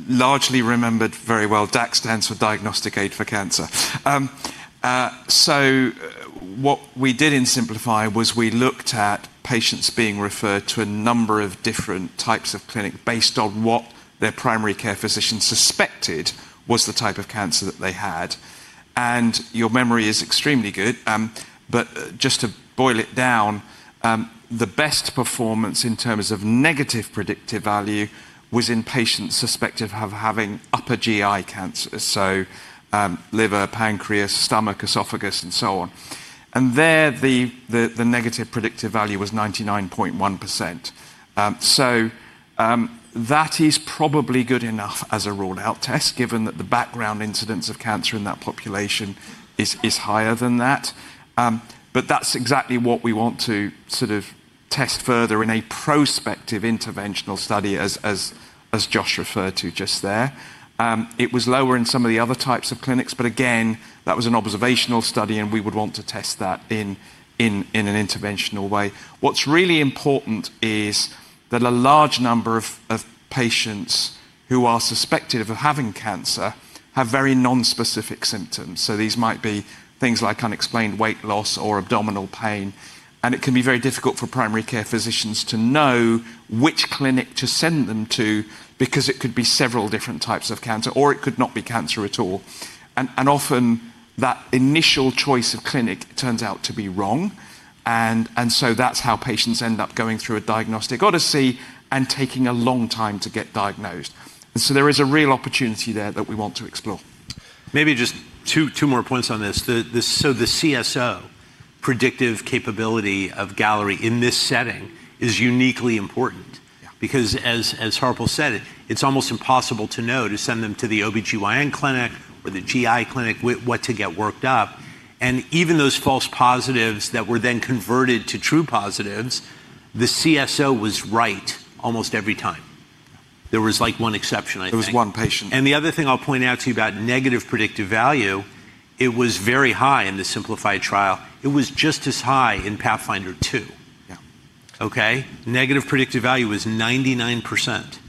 Largely remembered very well, DAC stands for diagnostic aid for cancer. What we did in SYMPLIFY was we looked at patients being referred to a number of different types of clinic based on what their primary care physician suspected was the type of cancer that they had. Your memory is extremely good. Just to boil it down, the best performance in terms of negative predictive value was in patients suspected of having upper GI cancers, so liver, pancreas, stomach, esophagus, and so on. There, the negative predictive value was 99.1%. That is probably good enough as a rule-out test, given that the background incidence of cancer in that population is higher than that. That is exactly what we want to sort of test further in a prospective interventional study, as Josh referred to just there. It was lower in some of the other types of clinics. Again, that was an observational study, and we would want to test that in an interventional way. What's really important is that a large number of patients who are suspected of having cancer have very non-specific symptoms. These might be things like unexplained weight loss or abdominal pain. It can be very difficult for primary care physicians to know which clinic to send them to because it could be several different types of cancer, or it could not be cancer at all. Often, that initial choice of clinic turns out to be wrong. That is how patients end up going through a diagnostic odyssey and taking a long time to get diagnosed. There is a real opportunity there that we want to explore. Maybe just two more points on this. The CSO predictive capability of Galleri in this setting is uniquely important because, as Harpal said, it's almost impossible to know to send them to the OB-GYN clinic or the GI clinic, what to get worked up. Even those false positives that were then converted to true positives, the CSO was right almost every time. There was like one exception, I think. There was one patient. The other thing I'll point out to you about negative predictive value, it was very high in the SYMPLIFY trial. It was just as high in PATHFINDER II. Okay? Negative predictive value was 99%.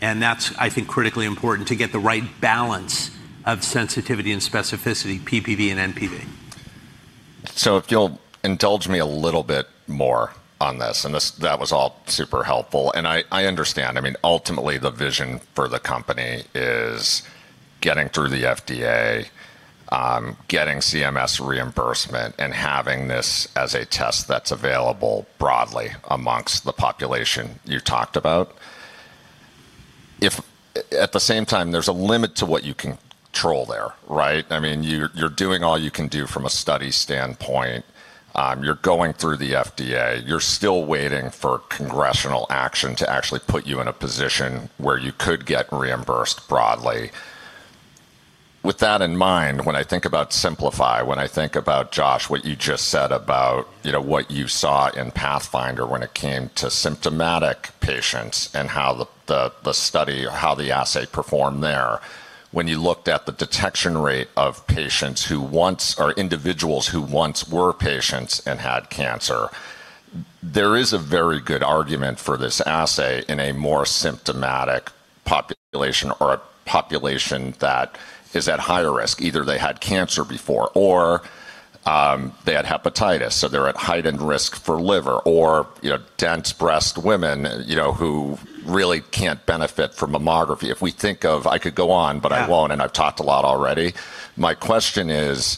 That's, I think, critically important to get the right balance of sensitivity and specificity, PPV and NPV. If you'll indulge me a little bit more on this, that was all super helpful. I understand. I mean, ultimately, the vision for the company is getting through the FDA, getting CMS reimbursement, and having this as a test that's available broadly amongst the population you talked about. At the same time, there's a limit to what you can control there, right? I mean, you're doing all you can do from a study standpoint. You're going through the FDA. You're still waiting for congressional action to actually put you in a position where you could get reimbursed broadly. With that in mind, when I think about SYMPLIFY, when I think about, Josh, what you just said about what you saw in PATHFINDER when it came to symptomatic patients and how the study, how the assay performed there, when you looked at the detection rate of patients who once or individuals who once were patients and had cancer, there is a very good argument for this assay in a more symptomatic population or a population that is at higher risk. Either they had cancer before or they had hepatitis, so they're at heightened risk for liver, or dense breast women who really can't benefit from mammography. If we think of I could go on, but I won't, and I've talked a lot already. My question is,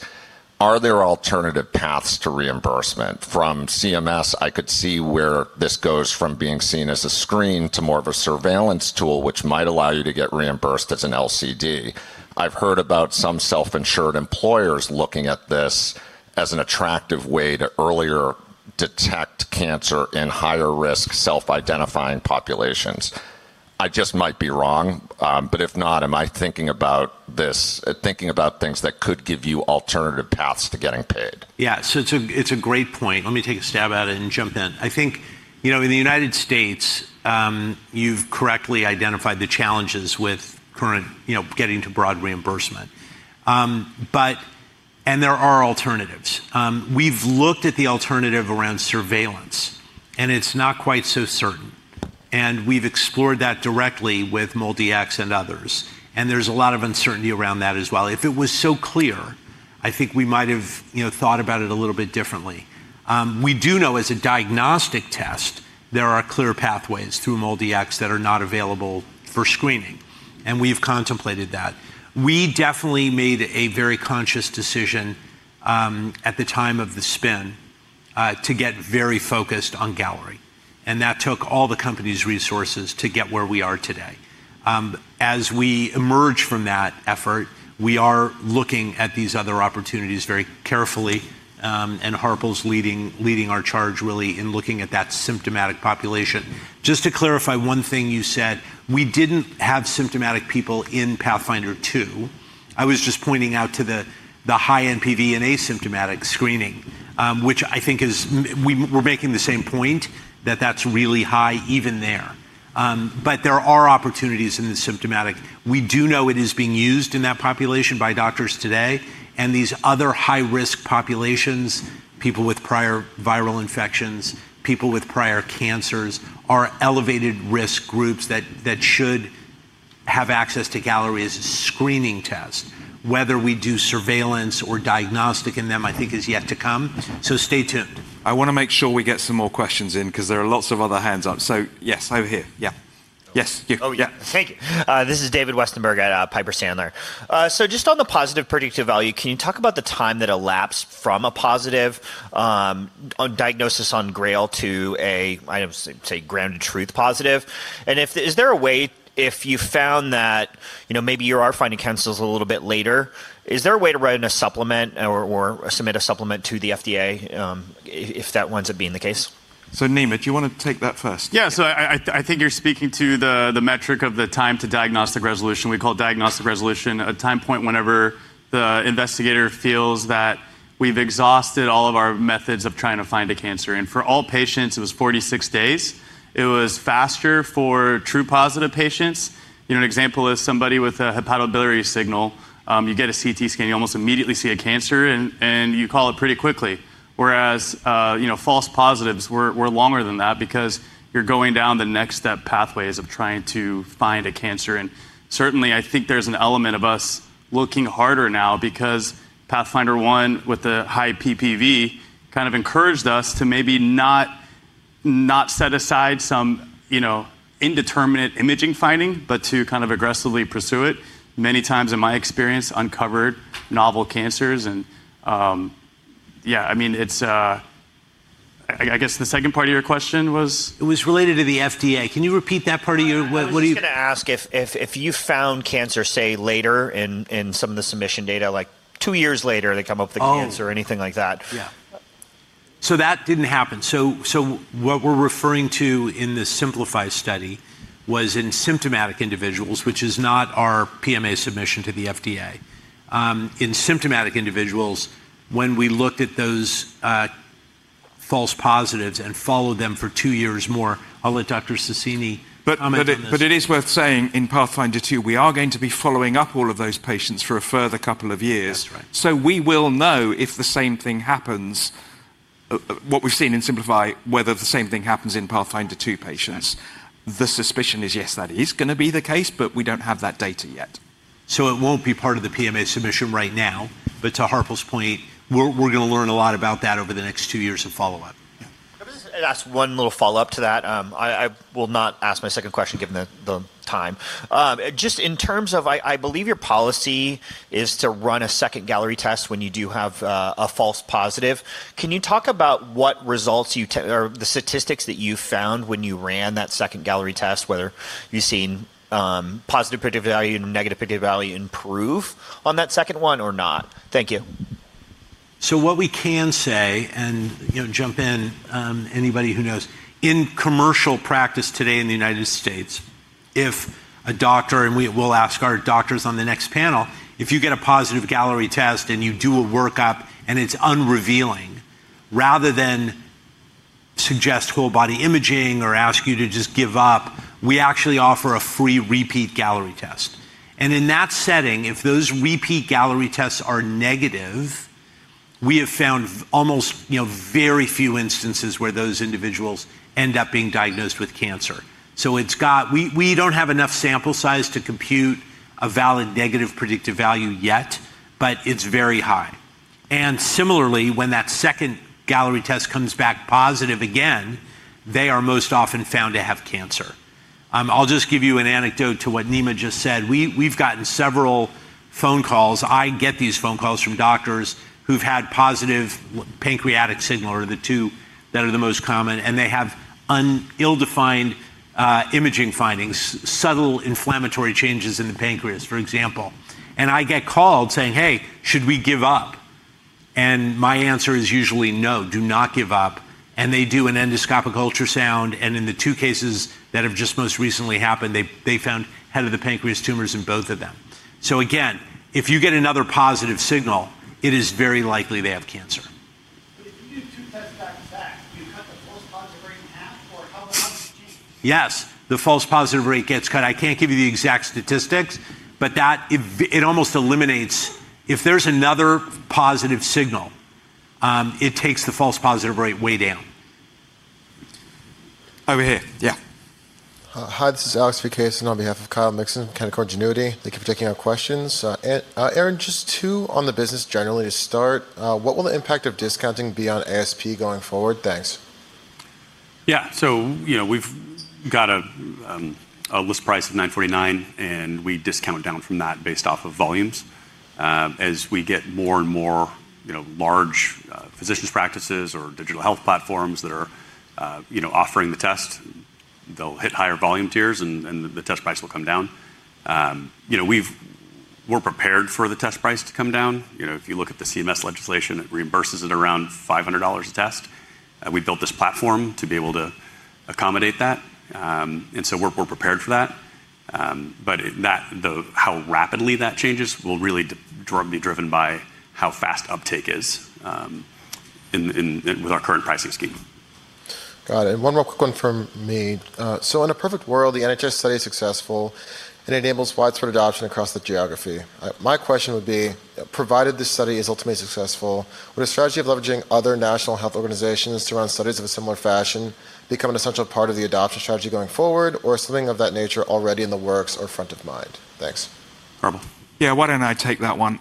are there alternative paths to reimbursement? From CMS, I could see where this goes from being seen as a screen to more of a surveillance tool, which might allow you to get reimbursed as an LCD. I've heard about some self-insured employers looking at this as an attractive way to earlier detect cancer in higher-risk self-identifying populations. I just might be wrong. If not, am I thinking about this, thinking about things that could give you alternative paths to getting paid? Yeah. It's a great point. Let me take a stab at it and jump in. I think in the United States, you've correctly identified the challenges with current getting to broad reimbursement. There are alternatives. We've looked at the alternative around surveillance, and it's not quite so certain. We've explored that directly with MOLDI-X and others. There is a lot of uncertainty around that as well. If it was so clear, I think we might have thought about it a little bit differently. We do know, as a diagnostic test, there are clear pathways through MOLDI-X that are not available for screening. We have contemplated that. We definitely made a very conscious decision at the time of the spin to get very focused on Galleri. That took all the company's resources to get where we are today. As we emerge from that effort, we are looking at these other opportunities very carefully. Harpal is leading our charge, really, in looking at that symptomatic population. Just to clarify one thing you said, we did not have symptomatic people in PATHFINDER II. I was just pointing out to the high NPV in asymptomatic screening, which I think is we're making the same point, that that's really high even there. There are opportunities in the symptomatic. We do know it is being used in that population by doctors today. These other high-risk populations, people with prior viral infections, people with prior cancers, are elevated risk groups that should have access to Galleri as a screening test. Whether we do surveillance or diagnostic in them, I think, is yet to come. Stay tuned. I want to make sure we get some more questions in because there are lots of other hands up. Yes, over here. Yeah. Yes. Oh, yeah. Thank you. This is David Westenberg at Piper Sandler. Just on the positive predictive value, can you talk about the time that elapsed from a positive diagnosis on GRAIL to a, I'd say, ground-truth positive? Is there a way, if you found that maybe you are finding cancers a little bit later, is there a way to write in a supplement or submit a supplement to the FDA if that winds up being the case? So Nima do you want to take that first? Yeah. I think you're speaking to the metric of the time to diagnostic resolution. We call diagnostic resolution a time point whenever the investigator feels that we've exhausted all of our methods of trying to find a cancer. For all patients, it was 46 days. It was faster for true positive patients. An example is somebody with a hepatobiliary signal. You get a CT scan, you almost immediately see a cancer, and you call it pretty quickly. Whereas false positives were longer than that because you're going down the next-step pathways of trying to find a cancer. Certainly, I think there's an element of us looking harder now because PATHFINDER I, with the high PPV, kind of encouraged us to maybe not set aside some indeterminate imaging finding, but to kind of aggressively pursue it. Many times, in my experience, uncovered novel cancers. Yeah, I mean, I guess the second part of your question was? It was related to the FDA. Can you repeat that part of your? I was going to ask if you found cancer, say, later in some of the submission data, like two years later, they come up with a cancer or anything like that. Yeah. That didn't happen. What we're referring to in the SYMPLIFY study was in symptomatic individuals, which is not our PMA submission to the FDA. In symptomatic individuals, when we looked at those false positives and followed them for two years more, I'll let Dr. Sasieni comment on this. It is worth saying, in PATHFINDER II, we are going to be following up all of those patients for a further couple of years. We will know if the same thing happens, what we've seen in SYMPLIFY, whether the same thing happens in PATHFINDER II patients. The suspicion is, yes, that is going to be the case, but we do not have that data yet. It will not be part of the PMA submission right now. To Harpal's point, we are going to learn a lot about that over the next two years of follow-up. I'll just ask one little follow-up to that. I will not ask my second question given the time. Just in terms of, I believe your policy is to run a second Galleri test when you do have a false positive. Can you talk about what results or the statistics that you found when you ran that second Galleri test, whether you've seen positive predictive value and negative predictive value improve on that second one or not? Thank you. What we can say, and jump in, anybody who knows, in commercial practice today in the United States, if a doctor, and we'll ask our doctors on the next panel, if you get a positive Galleri test and you do a workup and it's unrevealing, rather than suggest whole-body imaging or ask you to just give up, we actually offer a free repeat Galleri test. In that setting, if those repeat Galleri tests are negative, we have found almost very few instances where those individuals end up being diagnosed with cancer. We do not have enough sample size to compute a valid negative predictive value yet, but it is very high. Similarly, when that second Galleri test comes back positive again, they are most often found to have cancer. I will just give you an anecdote to what Nima just said. We have gotten several phone calls. I get these phone calls from doctors who have had positive pancreatic signal, or the two that are the most common, and they have ill-defined imaging findings, subtle inflammatory changes in the pancreas, for example. I get called saying, "Hey, should we give up?" My answer is usually, "No, do not give up." They do an endoscopic ultrasound. In the two cases that have just most recently happened, they found head of the pancreas tumors in both of them. If you get another positive signal, it is very likely they have cancer. If you do two tests back to back, do you cut the false positive rate in half, or how much do you change? Yes. The false positive rate gets cut. I can't give you the exact statistics, but it almost eliminates if there's another positive signal, it takes the false positive rate way down. Over here. Hi, this is Alex Vukasin on behalf of Kyle Mixon, Canaccord Genuity. Thank you for taking our questions. Aaron, just two on the business generally. To start, what will the impact of discounting be on ASP going forward? Thanks. Yeah. We've got a list price of $949, and we discount down from that based off of volumes. As we get more and more large physicians' practices or digital health platforms that are offering the test, they'll hit higher volume tiers, and the test price will come down. We're prepared for the test price to come down. If you look at the CMS legislation, it reimburses at around $500 a test. We built this platform to be able to accommodate that. We're prepared for that. How rapidly that changes will really be driven by how fast uptake is with our current pricing scheme. Got it. One more quick one from me. In a perfect world, the NHS study is successful. It enables widespread adoption across the geography. My question would be, provided the study is ultimately successful, would a strategy of leveraging other national health organizations to run studies of a similar fashion become an essential part of the adoption strategy going forward, or is something of that nature already in the works or front of mind? Thanks. Yeah, why do not I take that one?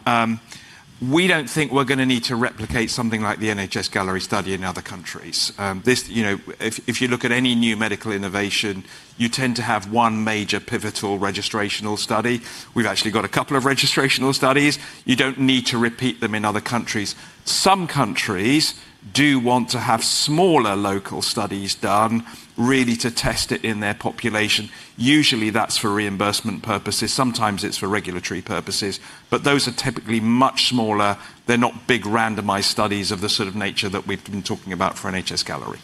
We do not think we are going to need to replicate something like the NHS-Galleri study in other countries. If you look at any new medical innovation, you tend to have one major pivotal registrational study. We have actually got a couple of registrational studies. You do not need to repeat them in other countries. Some countries do want to have smaller local studies done, really, to test it in their population. Usually, that is for reimbursement purposes. Sometimes it is for regulatory purposes. Those are typically much smaller. They're not big randomized studies of the sort of nature that we've been talking about for NHS Galleri.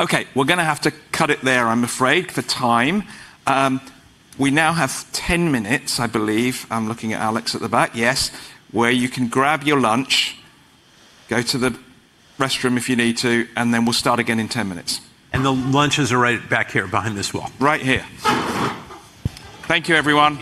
Okay. We're going to have to cut it there, I'm afraid, for time. We now have 10 minutes, I believe. I'm looking at Alex at the back. Yes. Where you can grab your lunch, go to the restroom if you need to, and then we'll start again in 10 minutes. The lunch is right back here, behind this wall. Right here. Thank you, everyone.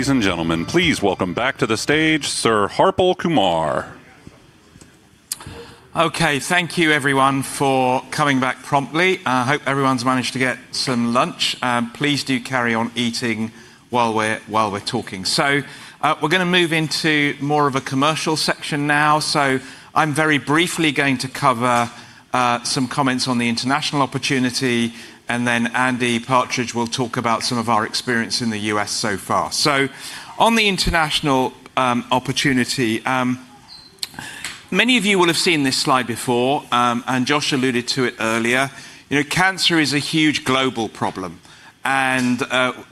Ladies and gentlemen, please welcome back to the stage Sir Harpal Kumar. Okay. Thank you, everyone, for coming back promptly. I hope everyone's managed to get some lunch. Please do carry on eating while we're talking. We're going to move into more of a commercial section now. I'm very briefly going to cover some comments on the international opportunity, and then Andy Partridge will talk about some of our experience in the U.S. so far. On the international opportunity, many of you will have seen this slide before, and Josh alluded to it earlier. Cancer is a huge global problem.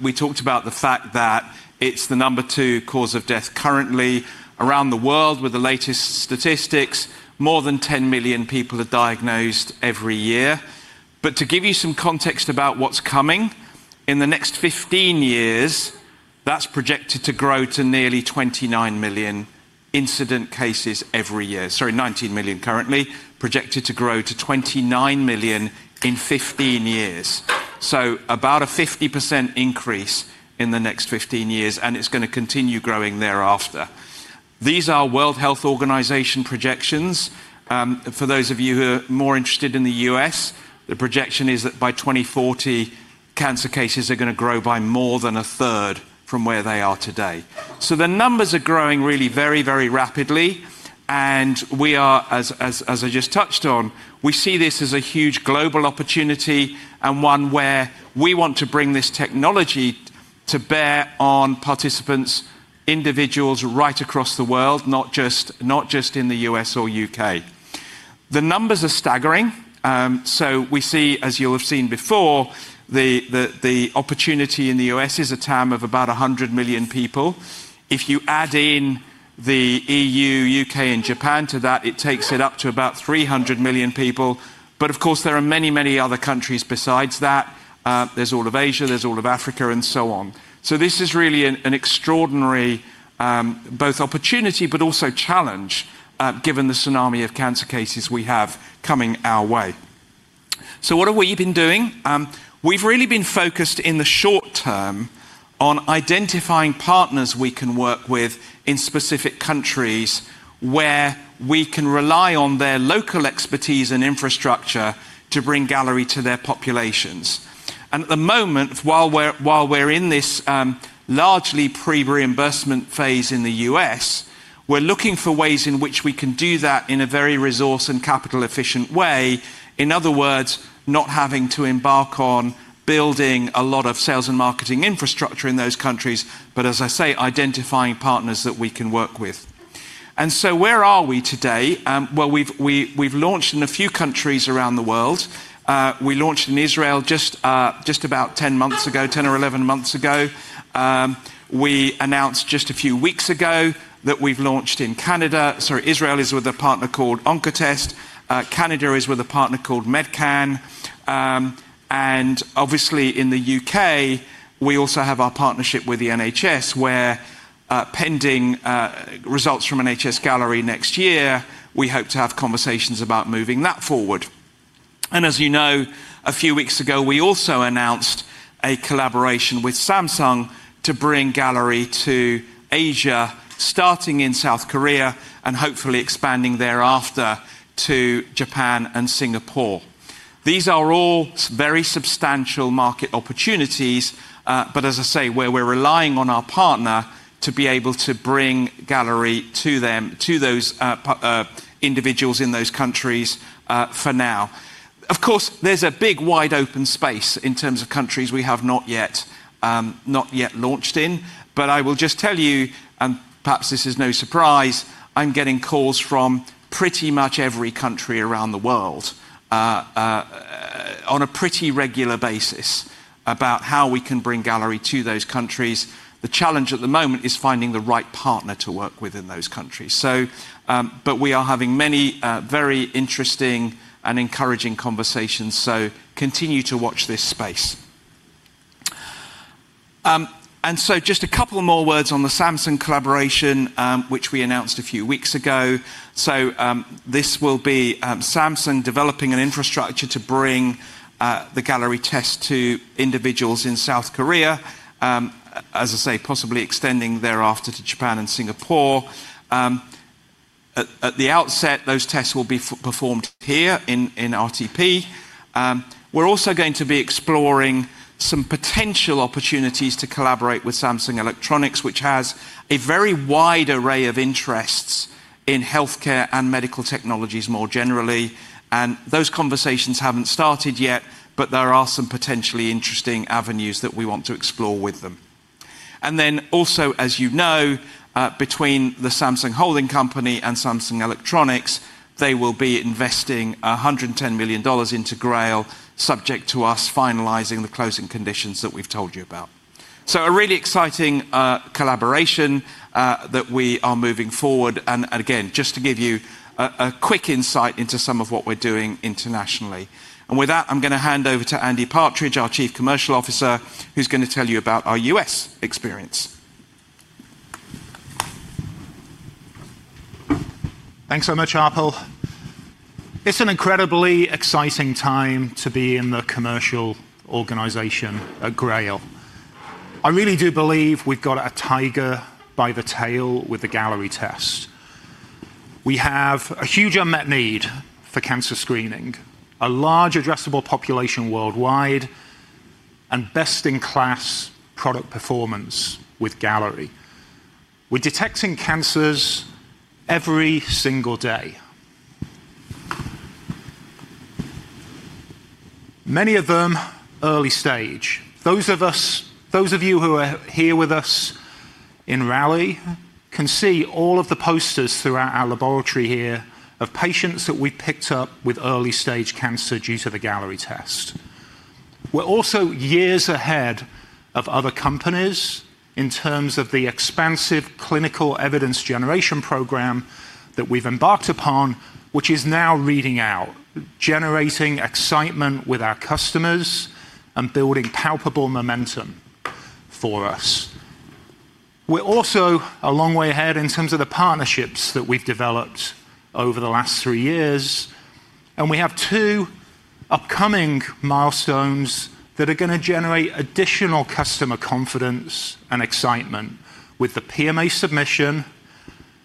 We talked about the fact that it's the number two cause of death currently around the world with the latest statistics. More than 10 million people are diagnosed every year. To give you some context about what's coming, in the next 15 years, that's projected to grow to nearly 29 million incident cases every year. Sorry, 19 million currently, projected to grow to 29 million in 15 years. About a 50% increase in the next 15 years, and it's going to continue growing thereafter. These are World Health Organization projections. For those of you who are more interested in the U.S., the projection is that by 2040, cancer cases are going to grow by more than a third from where they are today. The numbers are growing really very, very rapidly. We are, as I just touched on, we see this as a huge global opportunity and one where we want to bring this technology to bear on participants, individuals right across the world, not just in the U.S. or U.K. The numbers are staggering. We see, as you'll have seen before, the opportunity in the U.S. is a town of about 100 million people. If you add in the EU, U.K., and Japan to that, it takes it up to about 300 million people. Of course, there are many, many other countries besides that. There's all of Asia, there's all of Africa, and so on. This is really an extraordinary both opportunity, but also challenge given the tsunami of cancer cases we have coming our way. What have we been doing? We've really been focused in the short term on identifying partners we can work with in specific countries where we can rely on their local expertise and infrastructure to bring Galleri to their populations. At the moment, while we're in this largely pre-reimbursement phase in the U.S., we're looking for ways in which we can do that in a very resource and capital-efficient way. In other words, not having to embark on building a lot of sales and marketing infrastructure in those countries, but, as I say, identifying partners that we can work with. Where are we today? We've launched in a few countries around the world. We launched in Israel just about 10 months ago, 10 or 11 months ago. We announced just a few weeks ago that we've launched in Canada. Sorry, Israel is with a partner called Oncotest. Canada is with a partner called MedCan. Obviously, in the U.K., we also have our partnership with the NHS, where pending results from NHS Galleri next year, we hope to have conversations about moving that forward. As you know, a few weeks ago, we also announced a collaboration with Samsung to bring Galleri to Asia, starting in South Korea and hopefully expanding thereafter to Japan and Singapore. These are all very substantial market opportunities. As I say, we're relying on our partner to be able to bring Galleri to those individuals in those countries for now. Of course, there's a big wide open space in terms of countries we have not yet launched in. I will just tell you, and perhaps this is no surprise, I'm getting calls from pretty much every country around the world on a pretty regular basis about how we can bring Galleri to those countries. The challenge at the moment is finding the right partner to work with in those countries. We are having many very interesting and encouraging conversations, so continue to watch this space. Just a couple more words on the Samsung collaboration, which we announced a few weeks ago. This will be Samsung developing an infrastructure to bring the Galleri test to individuals in South Korea, as I say, possibly extending thereafter to Japan and Singapore. At the outset, those tests will be performed here in RTP. We're also going to be exploring some potential opportunities to collaborate with Samsung Electronics, which has a very wide array of interests in healthcare and medical technologies more generally. Those conversations have not started yet, but there are some potentially interesting avenues that we want to explore with them. Also, as you know, between the Samsung Holding Company and Samsung Electronics, they will be investing $110 million into GRAIL, subject to us finalizing the closing conditions that we have told you about. A really exciting collaboration that we are moving forward. Just to give you a quick insight into some of what we are doing internationally. With that, I am going to hand over to Andy Partridge, our Chief Commercial Officer, who is going to tell you about our U.S. experience. Thanks so much, Harpal. It is an incredibly exciting time to be in the commercial organization at GRAIL. I really do believe we've got a tiger by the tail with the Galleri test. We have a huge unmet need for cancer screening, a large addressable population worldwide, and best-in-class product performance with Galleri. We're detecting cancers every single day. Many of them early stage. Those of you who are here with us in Raleigh can see all of the posters throughout our laboratory here of patients that we picked up with early-stage cancer due to the Galleri test. We're also years ahead of other companies in terms of the expansive clinical evidence generation program that we've embarked upon, which is now reading out, generating excitement with our customers and building palpable momentum for us. We're also a long way ahead in terms of the partnerships that we've developed over the last three years. We have two upcoming milestones that are going to generate additional customer confidence and excitement with the PMA submission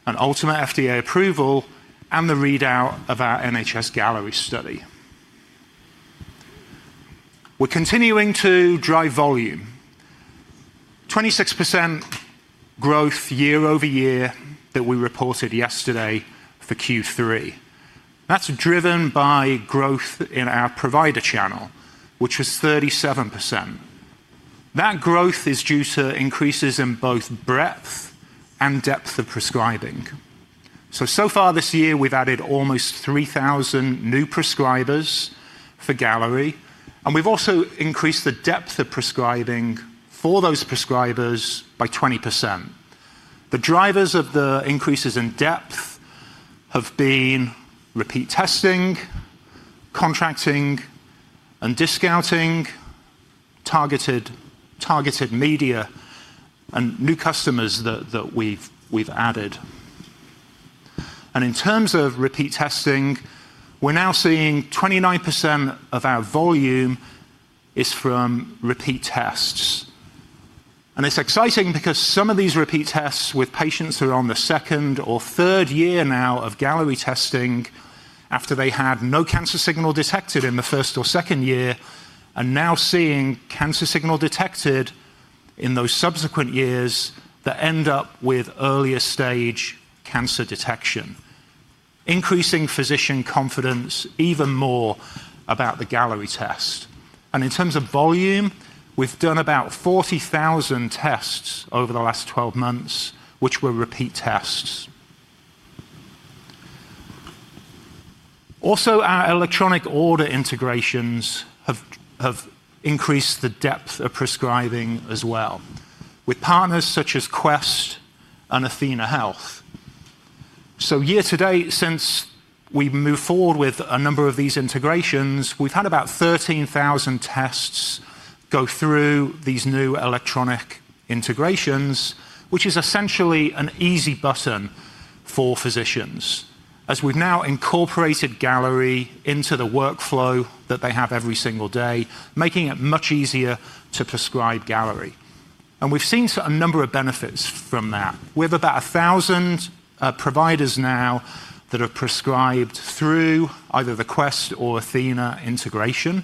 and ultimate FDA approval and the readout of our NHS-Galleri study. We're continuing to drive volume. 26% growth year over year that we reported yesterday for Q3. That's driven by growth in our provider channel, which was 37%. That growth is due to increases in both breadth and depth of prescribing. So far this year, we've added almost 3,000 new prescribers for Galleri. We've also increased the depth of prescribing for those prescribers by 20%. The drivers of the increases in depth have been repeat testing, contracting and discounting, targeted media, and new customers that we've added. In terms of repeat testing, we're now seeing 29% of our volume is from repeat tests. It is exciting because some of these repeat tests with patients who are on the second or third year now of Galleri testing after they had no cancer signal detected in the first or second year, are now seeing cancer signal detected in those subsequent years that end up with earlier stage cancer detection, increasing physician confidence even more about the Galleri test. In terms of volume, we've done about 40,000 tests over the last 12 months, which were repeat tests. Also, our electronic order integrations have increased the depth of prescribing as well with partners such as Quest and Athenahealth. Year to date, since we've moved forward with a number of these integrations, we've had about 13,000 tests go through these new electronic integrations, which is essentially an easy button for physicians as we've now incorporated Galleri into the workflow that they have every single day, making it much easier to prescribe Galleri. We've seen a number of benefits from that. We have about 1,000 providers now that have prescribed through either the Quest or Athena integration.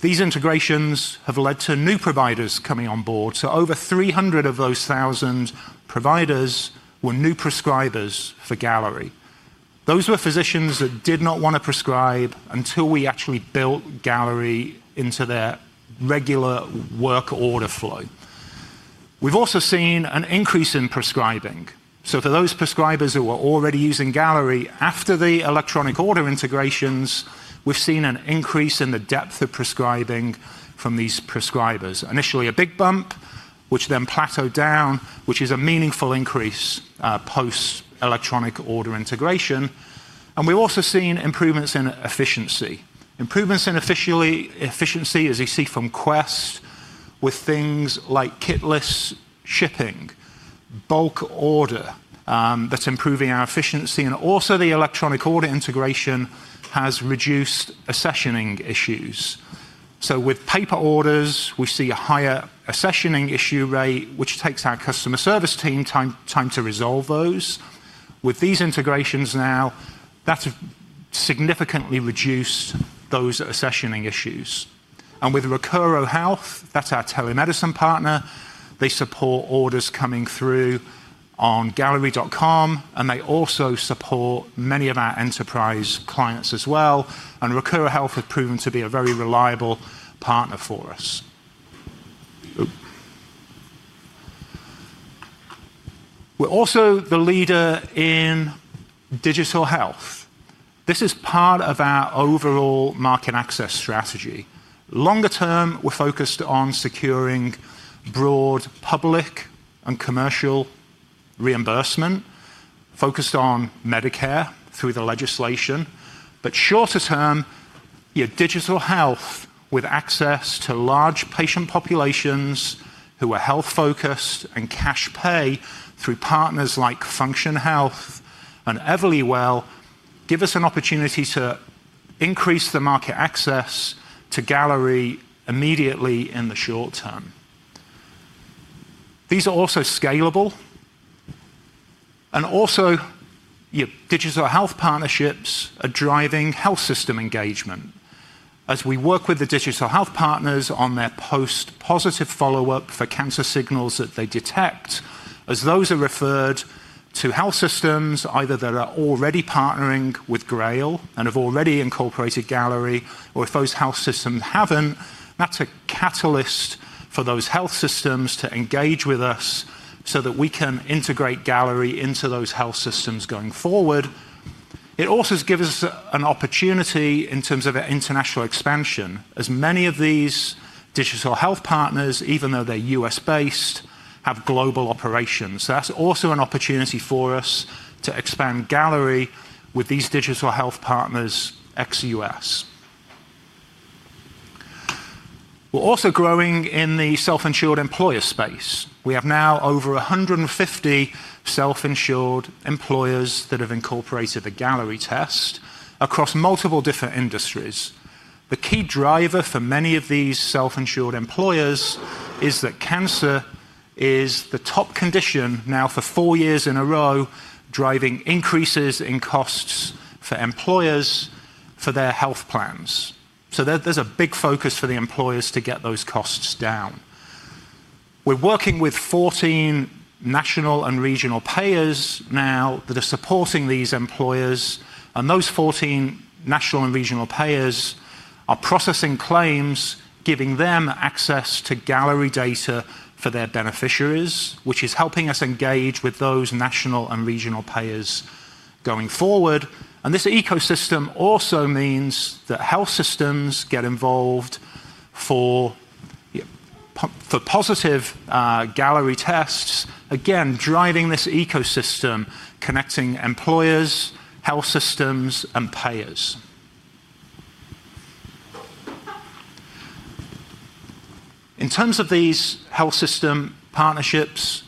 These integrations have led to new providers coming on board. Over 300 of those 1,000 providers were new prescribers for Galleri. Those were physicians that did not want to prescribe until we actually built Galleri into their regular work order flow. We've also seen an increase in prescribing. For those prescribers who were already using Galleri after the electronic order integrations, we've seen an increase in the depth of prescribing from these prescribers. Initially a big bump, which then plateaued down, which is a meaningful increase post-electronic order integration. We've also seen improvements in efficiency. Improvements in efficiency, as you see from Quest, with things like kit list shipping, bulk order, that's improving our efficiency. The electronic order integration has reduced accessioning issues. With paper orders, we see a higher accessioning issue rate, which takes our customer service team time to resolve those. With these integrations now, that's significantly reduced those accessioning issues. With Rocuro Health, that's our telemedicine partner. They support orders coming through on galleri.com, and they also support many of our enterprise clients as well. Rocuro Health has proven to be a very reliable partner for us. We're also the leader in digital health. This is part of our overall market access strategy. Longer term, we're focused on securing broad public and commercial reimbursement, focused on Medicare through the legislation. Shorter term, your digital health with access to large patient populations who are health-focused and cash pay through partners like Function Health and Everlywell give us an opportunity to increase the market access to Galleri immediately in the short term. These are also scalable. Also, your digital health partnerships are driving health system engagement. As we work with the digital health partners on their post-positive follow-up for cancer signals that they detect, as those are referred to health systems, either that are already partnering with GRAIL and have already incorporated Galleri, or if those health systems haven't, that's a catalyst for those health systems to engage with us so that we can integrate Galleri into those health systems going forward. It also gives us an opportunity in terms of international expansion, as many of these digital health partners, even though they're U.S.-based, have global operations. That's also an opportunity for us to expand Galleri with these digital health partners ex-US. We're also growing in the self-insured employer space. We have now over 150 self-insured employers that have incorporated the Galleri test across multiple different industries. The key driver for many of these self-insured employers is that cancer is the top condition now for four years in a row, driving increases in costs for employers for their health plans. There is a big focus for the employers to get those costs down. We are working with 14 national and regional payers now that are supporting these employers. Those 14 national and regional payers are processing claims, giving them access to Galleri data for their beneficiaries, which is helping us engage with those national and regional payers going forward. This ecosystem also means that health systems get involved for positive Galleri tests, again, driving this ecosystem, connecting employers, health systems, and payers. In terms of these health system partnerships,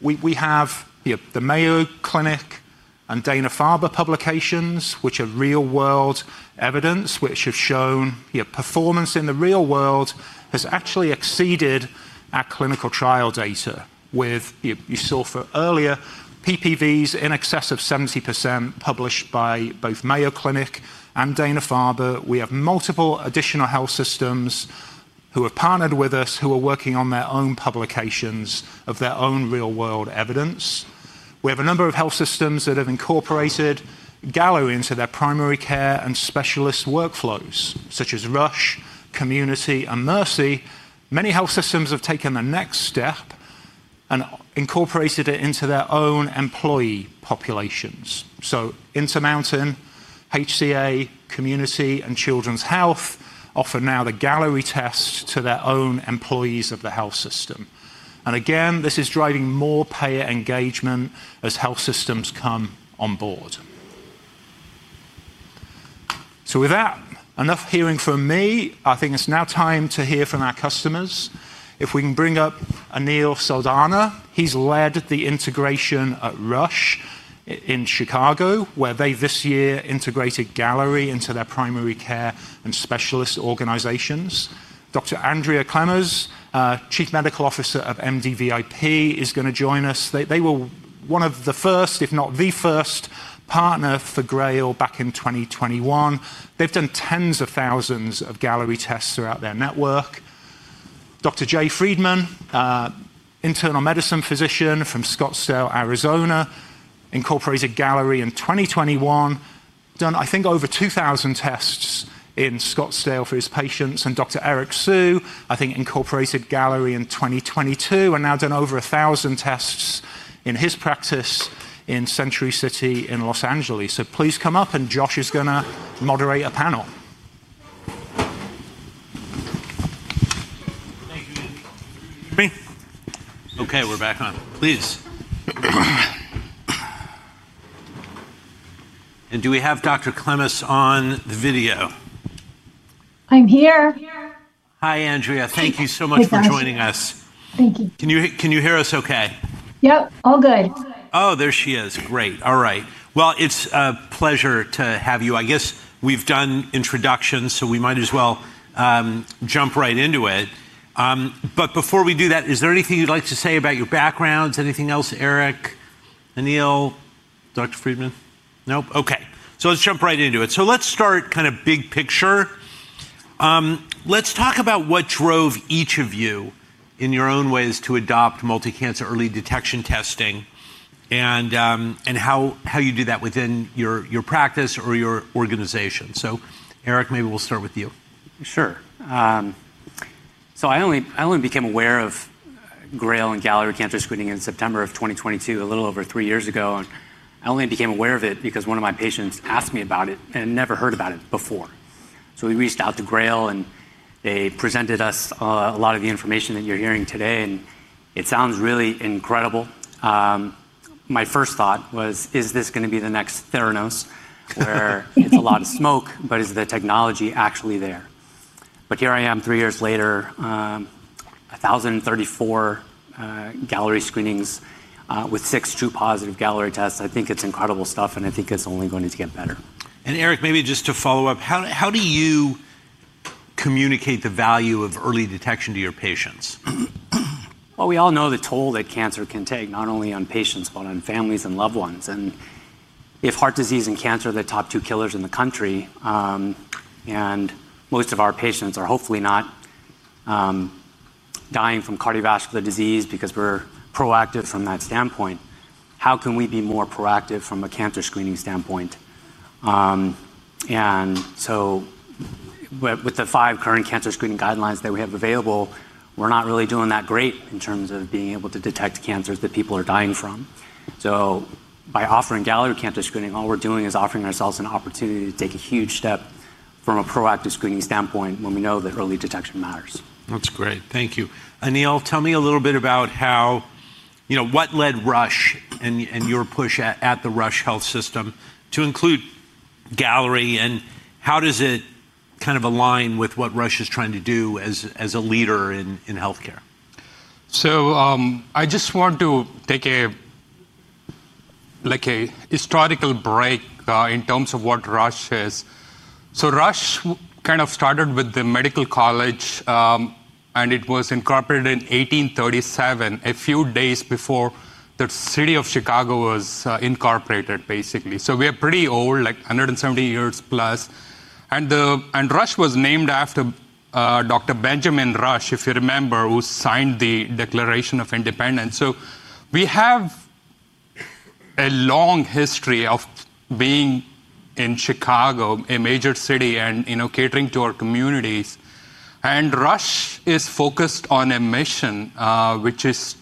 we have the Mayo Clinic and Dana-Farber publications, which are real-world evidence, which have shown performance in the real world has actually exceeded our clinical trial data. With, you saw earlier, PPVs in excess of 70% published by both Mayo Clinic and Dana-Farber. We have multiple additional health systems who have partnered with us, who are working on their own publications of their own real-world evidence. We have a number of health systems that have incorporated Galleri into their primary care and specialist workflows, such as Rush, Community, and Mercy. Many health systems have taken the next step and incorporated it into their own employee populations. Intermountain, HCA, Community, and Children's Health now offer the Galleri test to their own employees of the health system. Again, this is driving more payer engagement as health systems come on board. With that, enough hearing from me. I think it's now time to hear from our customers. If we can bring up Anil Saldana, he's led the integration at Rush in Chicago, where they this year integrated Galleri into their primary care and specialist organizations. Dr. Andrea Klemes, Chief Medical Officer of MDVIP, is going to join us. They were one of the first, if not the first, partners for GRAIL back in 2021. They've done tens of thousands of Galleri tests throughout their network. Dr. James Friedman, internal medicine physician from Scottsdale, Arizona, incorporated Galleri in 2021, done, I think, over 2,000 tests in Scottsdale for his patients. And Dr. Eric Sue, I think, incorporated Galleri in 2022 and now done over 1,000 tests in his practice in Century City in Los Angeles. Please come up, and Josh is going to moderate a panel. Okay, we're back on. Please. And do we have Dr. Klemes on the video? I'm here. Hi, Andrea. Thank you so much for joining us. Thank you. Can you hear us okay? Yep, all good. Oh, there she is. Great. All right. It's a pleasure to have you. I guess we've done introductions, so we might as well jump right into it. Before we do that, is there anything you'd like to say about your backgrounds? Anything else, Eric, Anil, Dr. Friedman? Nope? Okay. Let's jump right into it. Let's start kind of big picture. Let's talk about what drove each of you in your own ways to adopt multi-cancer early detection testing and how you do that within your practice or your organization. Eric, maybe we'll start with you. Sure. I only became aware of GRAIL and Galleri cancer screening in September of 2022, a little over three years ago. I only became aware of it because one of my patients asked me about it and had never heard about it before. We reached out to GRAIL, and they presented us a lot of the information that you're hearing today. It sounds really incredible. My first thought was, is this going to be the next Theranos where it's a lot of smoke, but is the technology actually there? Here I am three years later, 1,034 Galleri screenings with six true positive Galleri tests. I think it's incredible stuff, and I think it's only going to get better. Eric, maybe just to follow up, how do you communicate the value of early detection to your patients? We all know the toll that cancer can take not only on patients, but on families and loved ones. If heart disease and cancer are the top two killers in the country, and most of our patients are hopefully not dying from cardiovascular disease because we're proactive from that standpoint, how can we be more proactive from a cancer screening standpoint? With the five current cancer screening guidelines that we have available, we're not really doing that great in terms of being able to detect cancers that people are dying from. By offering Galleri cancer screening, all we're doing is offering ourselves an opportunity to take a huge step from a proactive screening standpoint when we know that early detection matters. That's great. Thank you. Anil, tell me a little bit about what led Rush and your push at the Rush health system to include Galleri, and how does it kind of align with what Rush is trying to do as a leader in healthcare? I just want to take a historical break in terms of what Rush is. Rush kind of started with the medical college, and it was incorporated in 1837, a few days before the city of Chicago was incorporated, basically. We are pretty old, like 170 years plus. Rush was named after Dr. Benjamin Rush, if you remember, who signed the Declaration of Independence. We have a long history of being in Chicago, a major city, and catering to our communities. Rush is focused on a mission, which is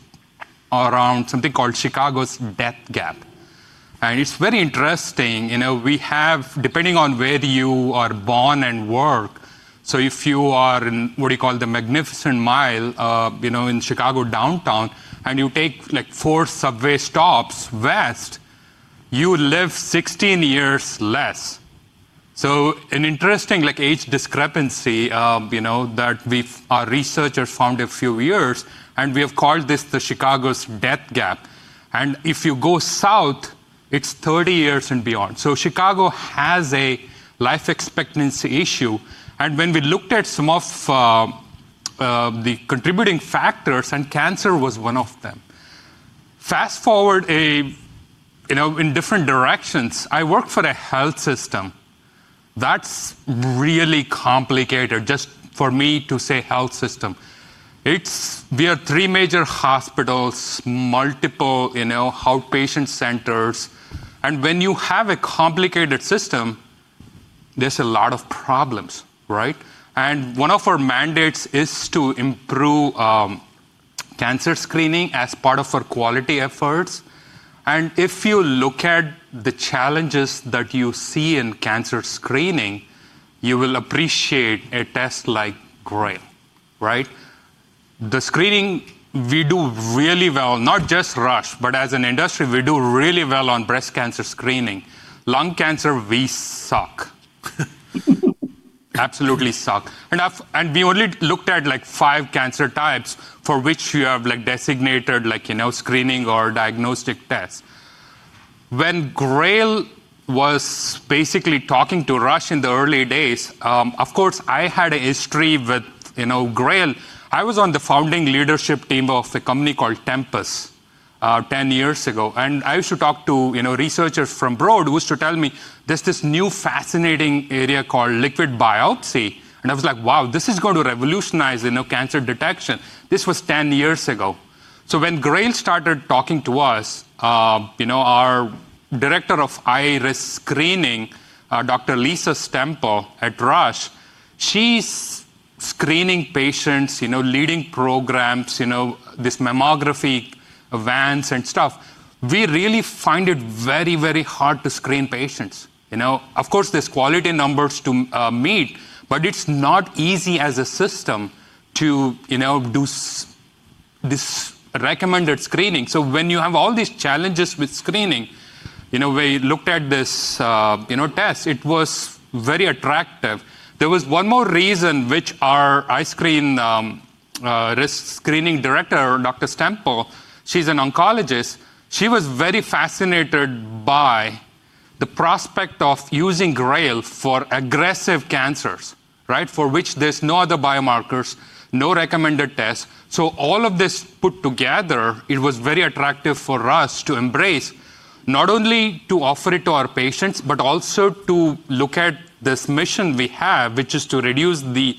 around something called Chicago's death gap. It is very interesting. Depending on where you are born and work, so if you are in what we call the Magnificent Mile in Chicago downtown, and you take four subway stops west, you live 16 years less. An interesting age discrepancy that our researchers found a few years ago, and we have called this the Chicago death gap. If you go south, it's 30 years and beyond. Chicago has a life expectancy issue. When we looked at some of the contributing factors, cancer was one of them. Fast forward in different directions. I work for a health system. That's really complicated just for me to say health system. We are three major hospitals, multiple outpatient centers. When you have a complicated system, there's a lot of problems, right? One of our mandates is to improve cancer screening as part of our quality efforts. If you look at the challenges that you see in cancer screening, you will appreciate a test like GRAIL, right? The screening we do really well, not just Rush, but as an industry, we do really well on breast cancer screening. Lung cancer, we suck. Absolutely suck. We only looked at five cancer types for which you have designated screening or diagnostic tests. When GRAIL was basically talking to Rush in the early days, of course, I had a history with GRAIL. I was on the founding leadership team of a company called Tempus 10 years ago. I used to talk to researchers from abroad who used to tell me, "There's this new fascinating area called liquid biopsy." I was like, "Wow, this is going to revolutionize cancer detection." This was 10 years ago. When GRAIL started talking to us, our Director of IRIS screening, Dr. Lisa Stempel at Rush, she's screening patients, leading programs, this mammography advance and stuff. We really find it very, very hard to screen patients. Of course, there's quality numbers to meet, but it's not easy as a system to do this recommended screening. When you have all these challenges with screening, we looked at this test. It was very attractive. There was one more reason, which our screening director, Dr. Stempel, she's an oncologist, she was very fascinated by the prospect of using GRAIL for aggressive cancers, for which there's no other biomarkers, no recommended tests. All of this put together, it was very attractive for us to embrace, not only to offer it to our patients, but also to look at this mission we have, which is to reduce the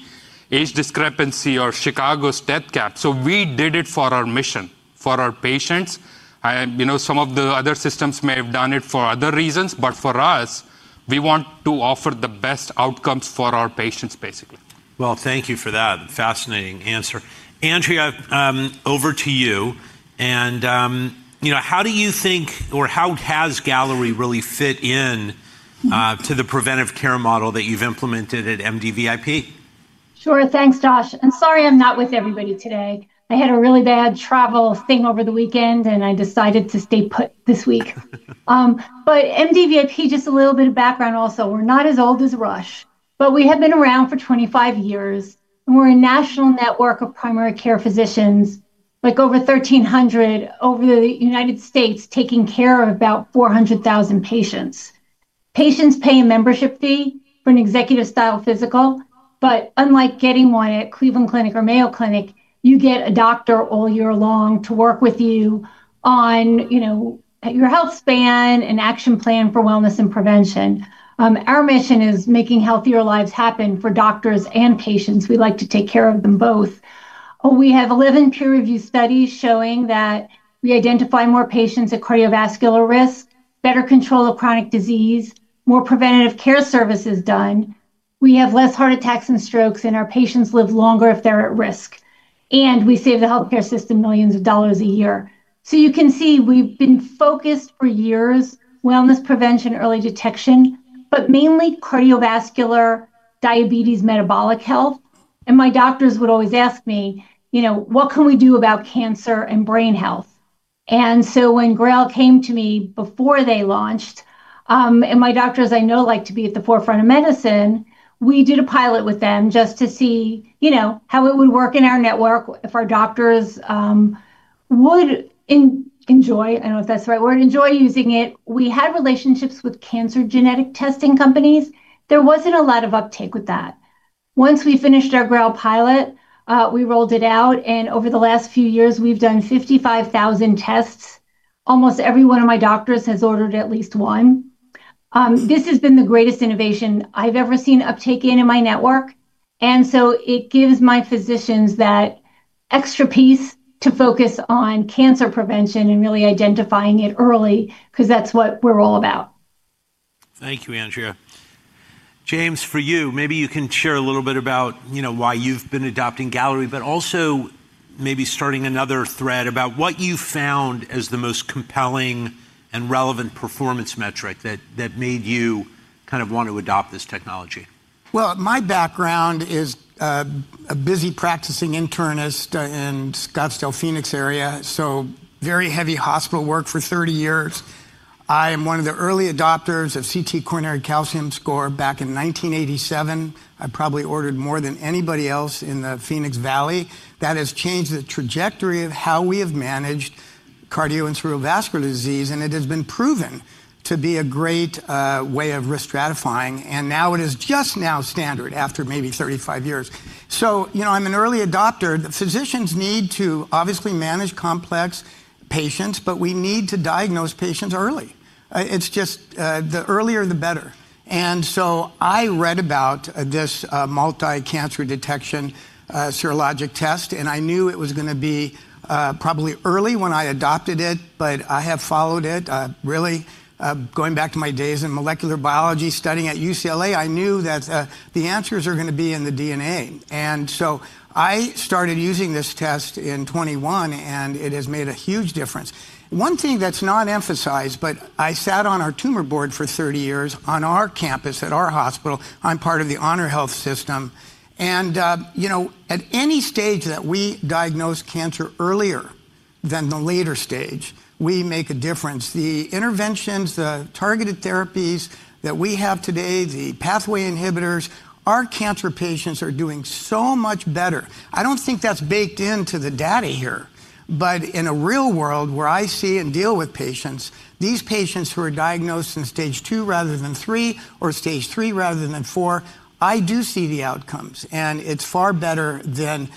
age discrepancy or Chicago's death gap. We did it for our mission, for our patients. Some of the other systems may have done it for other reasons, but for us, we want to offer the best outcomes for our patients, basically. Thank you for that fascinating answer. Andrea, over to you. How do you think, or how has Galleri really fit into the preventive care model that you've implemented at MDVIP? Sure. Thanks, Josh. Sorry I'm not with everybody today. I had a really bad travel thing over the weekend, and I decided to stay put this week. MDVIP, just a little bit of background also. We're not as old as Rush, but we have been around for 25 years. We're a national network of primary care physicians, like over 1,300 over the United States, taking care of about 400,000 patients. Patients pay a membership fee for an executive-style physical. Unlike getting one at Cleveland Clinic or Mayo Clinic, you get a doctor all year long to work with you on your health span and action plan for wellness and prevention. Our mission is making healthier lives happen for doctors and patients. We like to take care of them both. We have 11 peer-reviewed studies showing that we identify more patients at cardiovascular risk, better control of chronic disease, more preventative care services done. We have less heart attacks and strokes, and our patients live longer if they're at risk. We save the healthcare system millions of dollars a year. You can see we've been focused for years on wellness, prevention, early detection, but mainly cardiovascular, diabetes, metabolic health. My doctors would always ask me, "What can we do about cancer and brain health?" When GRAIL came to me before they launched, and my doctors, I know, like to be at the forefront of medicine, we did a pilot with them just to see how it would work in our network, if our doctors would enjoy—I do not know if that is the right word—enjoy using it. We had relationships with cancer genetic testing companies. There was not a lot of uptake with that. Once we finished our GRAIL pilot, we rolled it out. Over the last few years, we have done 55,000 tests. Almost every one of my doctors has ordered at least one. This has been the greatest innovation I have ever seen uptake in in my network. It gives my physicians that extra piece to focus on cancer prevention and really identifying it early because that's what we're all about. Thank you, Andrea. James, for you, maybe you can share a little bit about why you've been adopting Galleri, but also maybe starting another thread about what you found as the most compelling and relevant performance metric that made you kind of want to adopt this technology. My background is a busy practicing internist in Scottsdale, Phoenix area, so very heavy hospital work for 30 years. I am one of the early adopters of CT coronary calcium score back in 1987. I probably ordered more than anybody else in the Phoenix Valley. That has changed the trajectory of how we have managed cardio- and cerebrovascular disease, and it has been proven to be a great way of risk stratifying. It is just now standard after maybe 35 years. I'm an early adopter. The physicians need to obviously manage complex patients, but we need to diagnose patients early. It's just the earlier, the better. I read about this multicancer detection serologic test, and I knew it was going to be probably early when I adopted it, but I have followed it. Really, going back to my days in molecular biology studying at UCLA, I knew that the answers are going to be in the DNA. I started using this test in 2021, and it has made a huge difference. One thing that's not emphasized, but I sat on our tumor board for 30 years on our campus at our hospital. I'm part of the Honor Health system. At any stage that we diagnose cancer earlier than the later stage, we make a difference. The interventions, the targeted therapies that we have today, the pathway inhibitors, our cancer patients are doing so much better. I do not think that is baked into the data here. In a real world where I see and deal with patients, these patients who are diagnosed in stage two rather than three or stage three rather than four, I do see the outcomes. It is far better than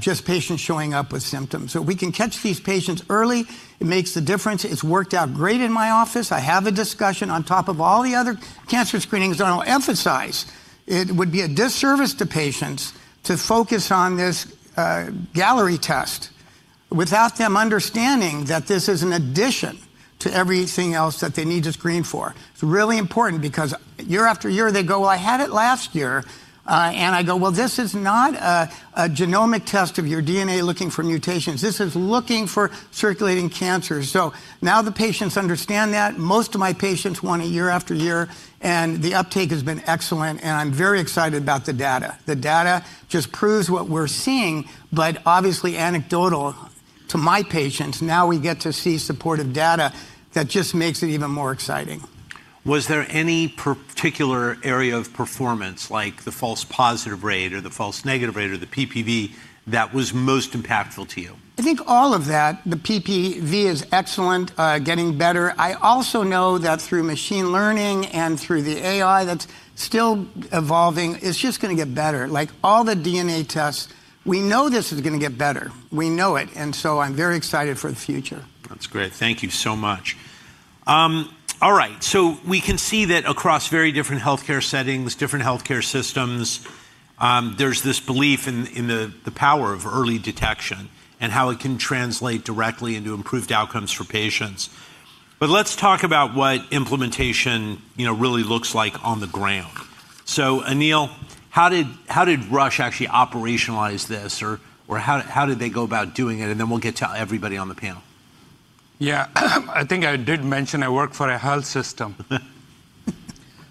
just patients showing up with symptoms. If we can catch these patients early, it makes the difference. It has worked out great in my office. I have a discussion on top of all the other cancer screenings that I will emphasize. It would be a disservice to patients to focus on this Galleri test without them understanding that this is an addition to everything else that they need to screen for. It's really important because year after year, they go, "Well, I had it last year." I go, "This is not a genomic test of your DNA looking for mutations. This is looking for circulating cancers." Now the patients understand that. Most of my patients want it year after year, and the uptake has been excellent. I'm very excited about the data. The data just proves what we're seeing, but obviously anecdotal to my patients. Now we get to see supportive data that just makes it even more exciting. Was there any particular area of performance, like the false positive rate or the false negative rate or the PPV, that was most impactful to you? I think all of that. The PPV is excellent, getting better. I also know that through machine learning and through the AI that's still evolving, it's just going to get better. Like all the DNA tests, we know this is going to get better. We know it. And so I'm very excited for the future. That's great. Thank you so much. All right. We can see that across very different healthcare settings, different healthcare systems, there's this belief in the power of early detection and how it can translate directly into improved outcomes for patients. Let's talk about what implementation really looks like on the ground. Anil, how did Rush actually operationalize this, or how did they go about doing it? Then we'll get to everybody on the panel. Yeah. I think I did mention I work for a health system,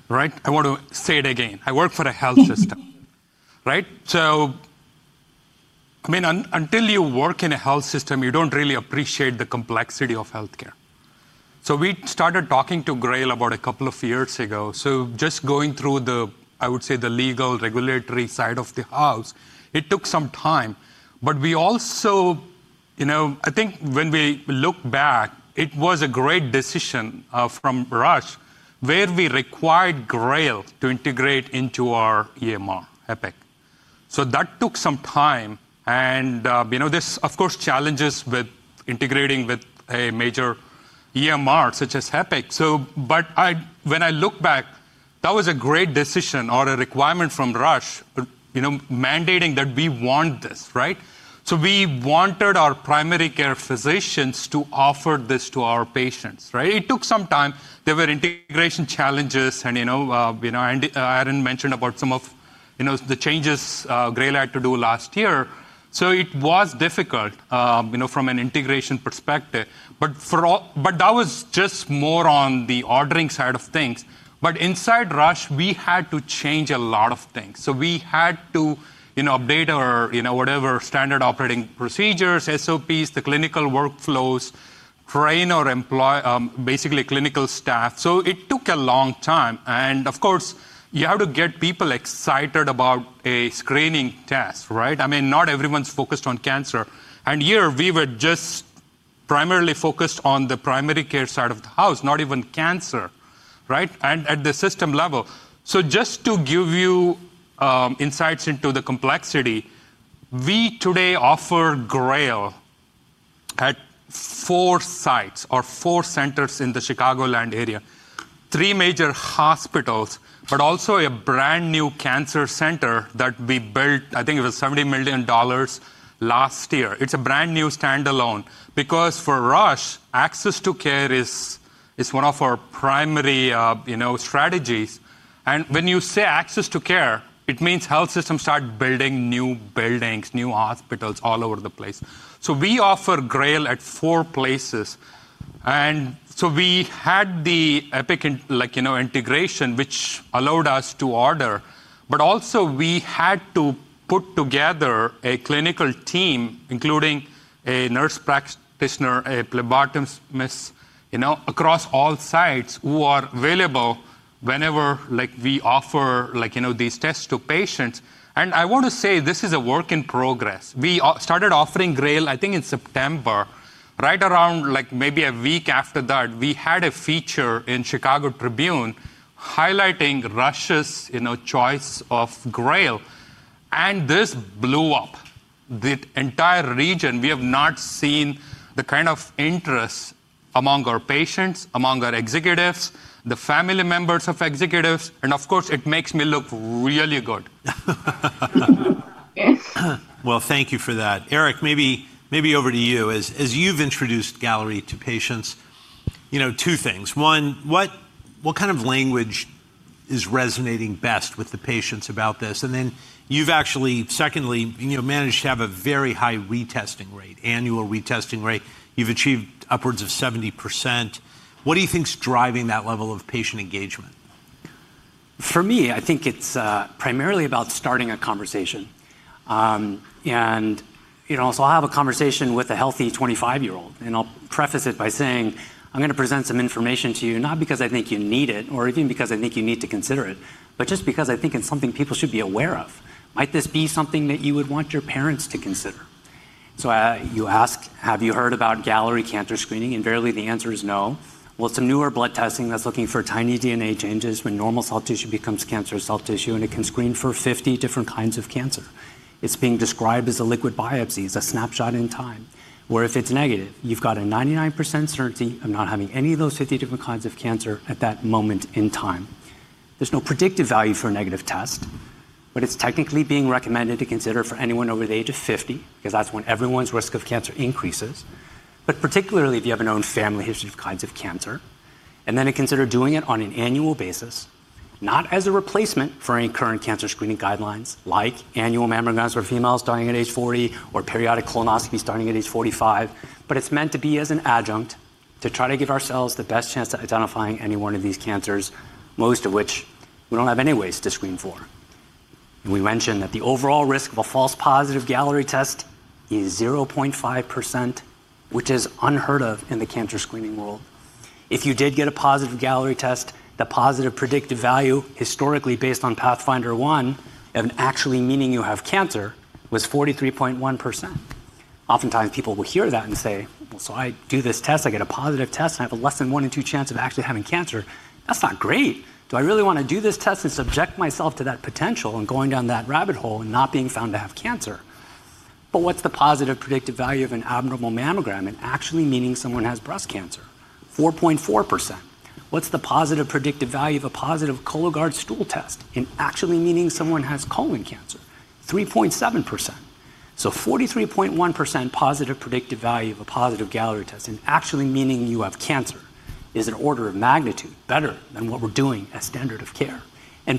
right? I want to say it again. I work for a health system, right? I mean, until you work in a health system, you do not really appreciate the complexity of healthcare. We started talking to GRAIL about a couple of years ago. Just going through the, I would say, the legal regulatory side of the house, it took some time. We also, I think when we look back, it was a great decision from Rush where we required GRAIL to integrate into our EMR, Epic. That took some time. There are, of course, challenges with integrating with a major EMR such as Epic. When I look back, that was a great decision or a requirement from Rush mandating that we want this, right? We wanted our primary care physicians to offer this to our patients, right? It took some time. There were integration challenges. Aaron mentioned about some of the changes GRAIL had to do last year. It was difficult from an integration perspective. That was just more on the ordering side of things. Inside Rush, we had to change a lot of things. We had to update our standard operating procedures, SOPs, the clinical workflows, train our employees, basically clinical staff. It took a long time. Of course, you have to get people excited about a screening test, right? I mean, not everyone's focused on cancer. Here, we were just primarily focused on the primary care side of the house, not even cancer, at the system level. Just to give you insights into the complexity, we today offer GRAIL at four sites or four centers in the Chicagoland area, three major hospitals, but also a brand new cancer center that we built. I think it was $70 million last year. It's a brand new standalone because for Rush, access to care is one of our primary strategies. When you say access to care, it means health systems start building new buildings, new hospitals all over the place. We offer GRAIL at four places. We had the Epic integration, which allowed us to order. We also had to put together a clinical team, including a nurse practitioner, a phlebotomist across all sites who are available whenever we offer these tests to patients. I want to say this is a work in progress. We started offering GRAIL, I think, in September, right around maybe a week after that. We had a feature in Chicago Tribune highlighting Rush's choice of GRAIL. This blew up the entire region. We have not seen the kind of interest among our patients, among our executives, the family members of executives. It makes me look really good. Thank you for that. Eric, maybe over to you. As you've introduced Galleri to patients, two things. One, what kind of language is resonating best with the patients about this? You have actually, secondly, managed to have a very high retesting rate, annual retesting rate. You've achieved upwards of 70%. What do you think's driving that level of patient engagement? For me, I think it's primarily about starting a conversation. I will have a conversation with a healthy 25-year-old. I'll preface it by saying, "I'm going to present some information to you, not because I think you need it or even because I think you need to consider it, but just because I think it's something people should be aware of. Might this be something that you would want your parents to consider?" You ask, "Have you heard about Galleri cancer screening?" and usually the answer is no. It's a newer blood test that's looking for tiny DNA changes when normal cell tissue becomes cancerous cell tissue, and it can screen for 50 different kinds of cancer. It's being described as a liquid biopsy, as a snapshot in time, where if it's negative, you've got a 99% certainty of not having any of those 50 different kinds of cancer at that moment in time. There's no predictive value for a negative test, but it's technically being recommended to consider for anyone over the age of 50 because that's when everyone's risk of cancer increases, particularly if you have your own family history of kinds of cancer. Consider doing it on an annual basis, not as a replacement for any current cancer screening guidelines like annual mammograms for females starting at age 40 or periodic colonoscopies starting at age 45. It's meant to be as an adjunct to try to give ourselves the best chance at identifying any one of these cancers, most of which we don't have any ways to screen for. We mentioned that the overall risk of a false positive Galleri test is 0.5%, which is unheard of in the cancer screening world. If you did get a positive Galleri test, the positive predictive value historically based on PATHFINDER 1 and actually meaning you have cancer was 43.1%. Oftentimes, people will hear that and say, "Well, so I do this test, I get a positive test, and I have a less than one in two chance of actually having cancer. That's not great. Do I really want to do this test and subject myself to that potential and going down that rabbit hole and not being found to have cancer?" What's the positive predictive value of an abnormal mammogram in actually meaning someone has breast cancer? 4.4%. What's the positive predictive value of a positive Cologuard stool test in actually meaning someone has colon cancer? 3.7%. one percent positive predictive value of a positive Galleri test in actually meaning you have cancer is an order of magnitude better than what we're doing as standard of care.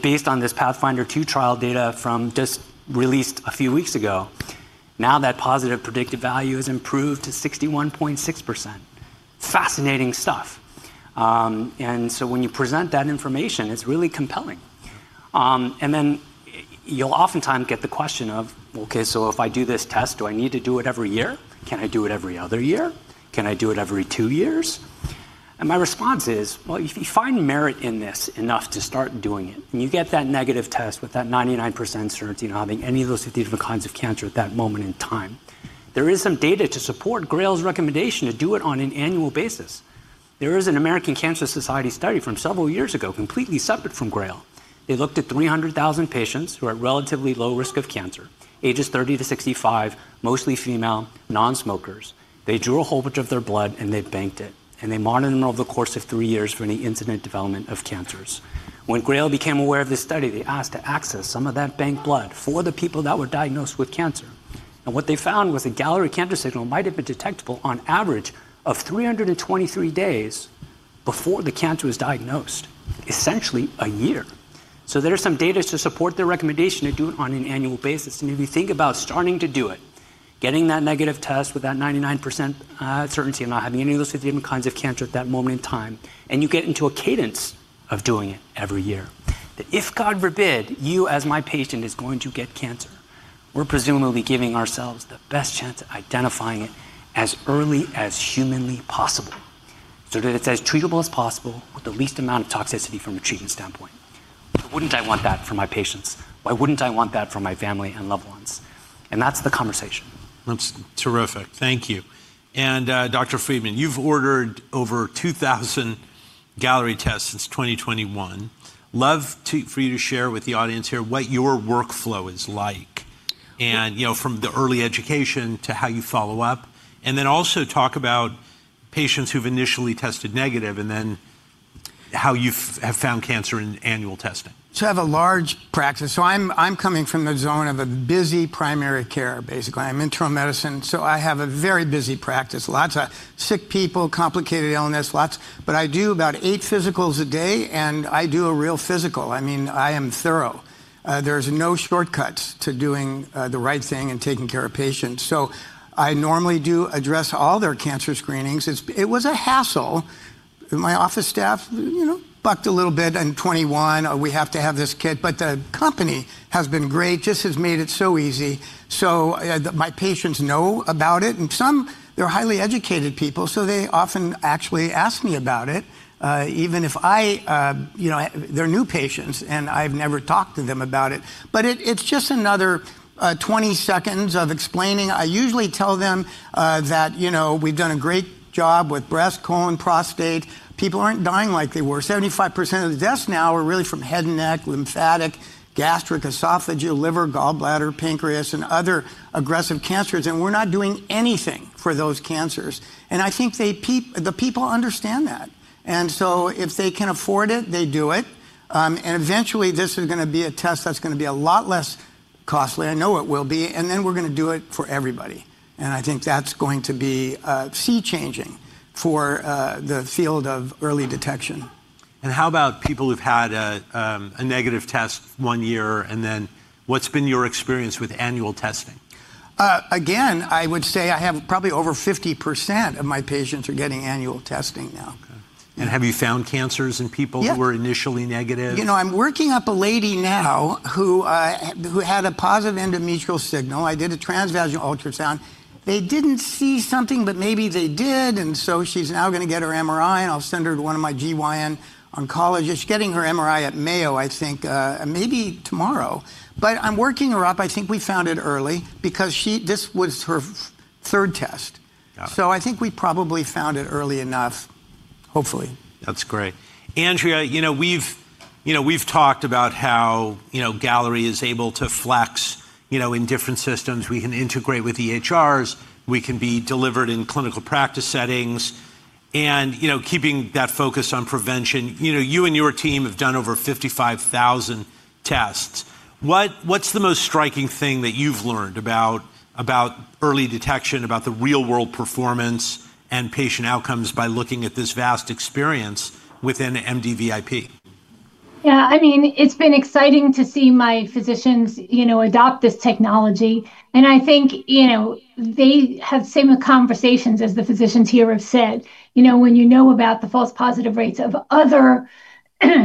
Based on this PATHFINDER II trial data from just released a few weeks ago, now that positive predictive value has improved to 61.6%. Fascinating stuff. When you present that information, it's really compelling. Then you'll oftentimes get the question of, "Okay, if I do this test, do I need to do it every year? Can I do it every other year? Can I do it every two years?" My response is, "If you find merit in this enough to start doing it and you get that negative test with that 99% certainty of not having any of those 50 different kinds of cancer at that moment in time, there is some data to support GRAIL's recommendation to do it on an annual basis." There is an American Cancer Society study from several years ago, completely separate from GRAIL. They looked at 300,000 patients who are at relatively low risk of cancer, ages 30 to 65, mostly female, nonsmokers. They drew a whole bunch of their blood, and they banked it. They monitored them over the course of three years for any incident development of cancers. When GRAIL became aware of this study, they asked to access some of that banked blood for the people that were diagnosed with cancer. What they found was that Galleri cancer signal might have been detectable on average of 323 days before the cancer was diagnosed, essentially a year. There are some data to support their recommendation to do it on an annual basis. If you think about starting to do it, getting that negative test with that 99% certainty of not having any of those 50 different kinds of cancer at that moment in time, and you get into a cadence of doing it every year, that if God forbid you as my patient are going to get cancer, we're presumably giving ourselves the best chance at identifying it as early as humanly possible so that it's as treatable as possible with the least amount of toxicity from a treatment standpoint. Why wouldn't I want that for my patients? Why wouldn't I want that for my family and loved ones? That's the conversation. That's terrific. Thank you. Dr. Friedman, you've ordered over 2,000 Galleri tests since 2021. Love for you to share with the audience here what your workflow is like, and from the early education to how you follow up, and then also talk about patients who've initially tested negative and then how you have found cancer in annual testing. I have a large practice. I'm coming from the zone of a busy primary care, basically. I'm internal medicine. I have a very busy practice. Lots of sick people, complicated illness, lots. I do about eight physicals a day, and I do a real physical. I mean, I am thorough. There's no shortcuts to doing the right thing and taking care of patients. I normally do address all their cancer screenings. It was a hassle. My office staff bucked a little bit in 2021. We have to have this kit. The company has been great, just has made it so easy. My patients know about it. Some, they're highly educated people, so they often actually ask me about it, even if they're new patients, and I've never talked to them about it. It's just another 20 seconds of explaining. I usually tell them that we've done a great job with breast, colon, prostate. People aren't dying like they were. 75% of the deaths now are really from head and neck, lymphatic, gastric, esophageal, liver, gallbladder, pancreas, and other aggressive cancers. We're not doing anything for those cancers. I think the people understand that. If they can afford it, they do it. Eventually, this is going to be a test that's going to be a lot less costly. I know it will be. We're going to do it for everybody. I think that's going to be sea-changing for the field of early detection. How about people who've had a negative test one year? What's been your experience with annual testing? Again, I would say I have probably over 50% of my patients are getting annual testing now. Have you found cancers in people who were initially negative? You know, I'm working up a lady now who had a positive endometrial signal. I did a transvaginal ultrasound. They didn't see something, but maybe they did. She's now going to get her MRI, and I'll send her to one of my GYN oncologists. She's getting her MRI at Mayo, I think, maybe tomorrow. I'm working her up. I think we found it early because this was her third test. I think we probably found it early enough, hopefully. That's great. Andrea, we've talked about how Galleri is able to flex in different systems. We can integrate with EHRs. We can be delivered in clinical practice settings. Keeping that focus on prevention, you and your team have done over 55,000 tests. What's the most striking thing that you've learned about early detection, about the real-world performance and patient outcomes by looking at this vast experience within MDVIP? Yeah. I mean, it's been exciting to see my physicians adopt this technology. I think they have similar conversations as the physicians here have said. When you know about the false positive rates of other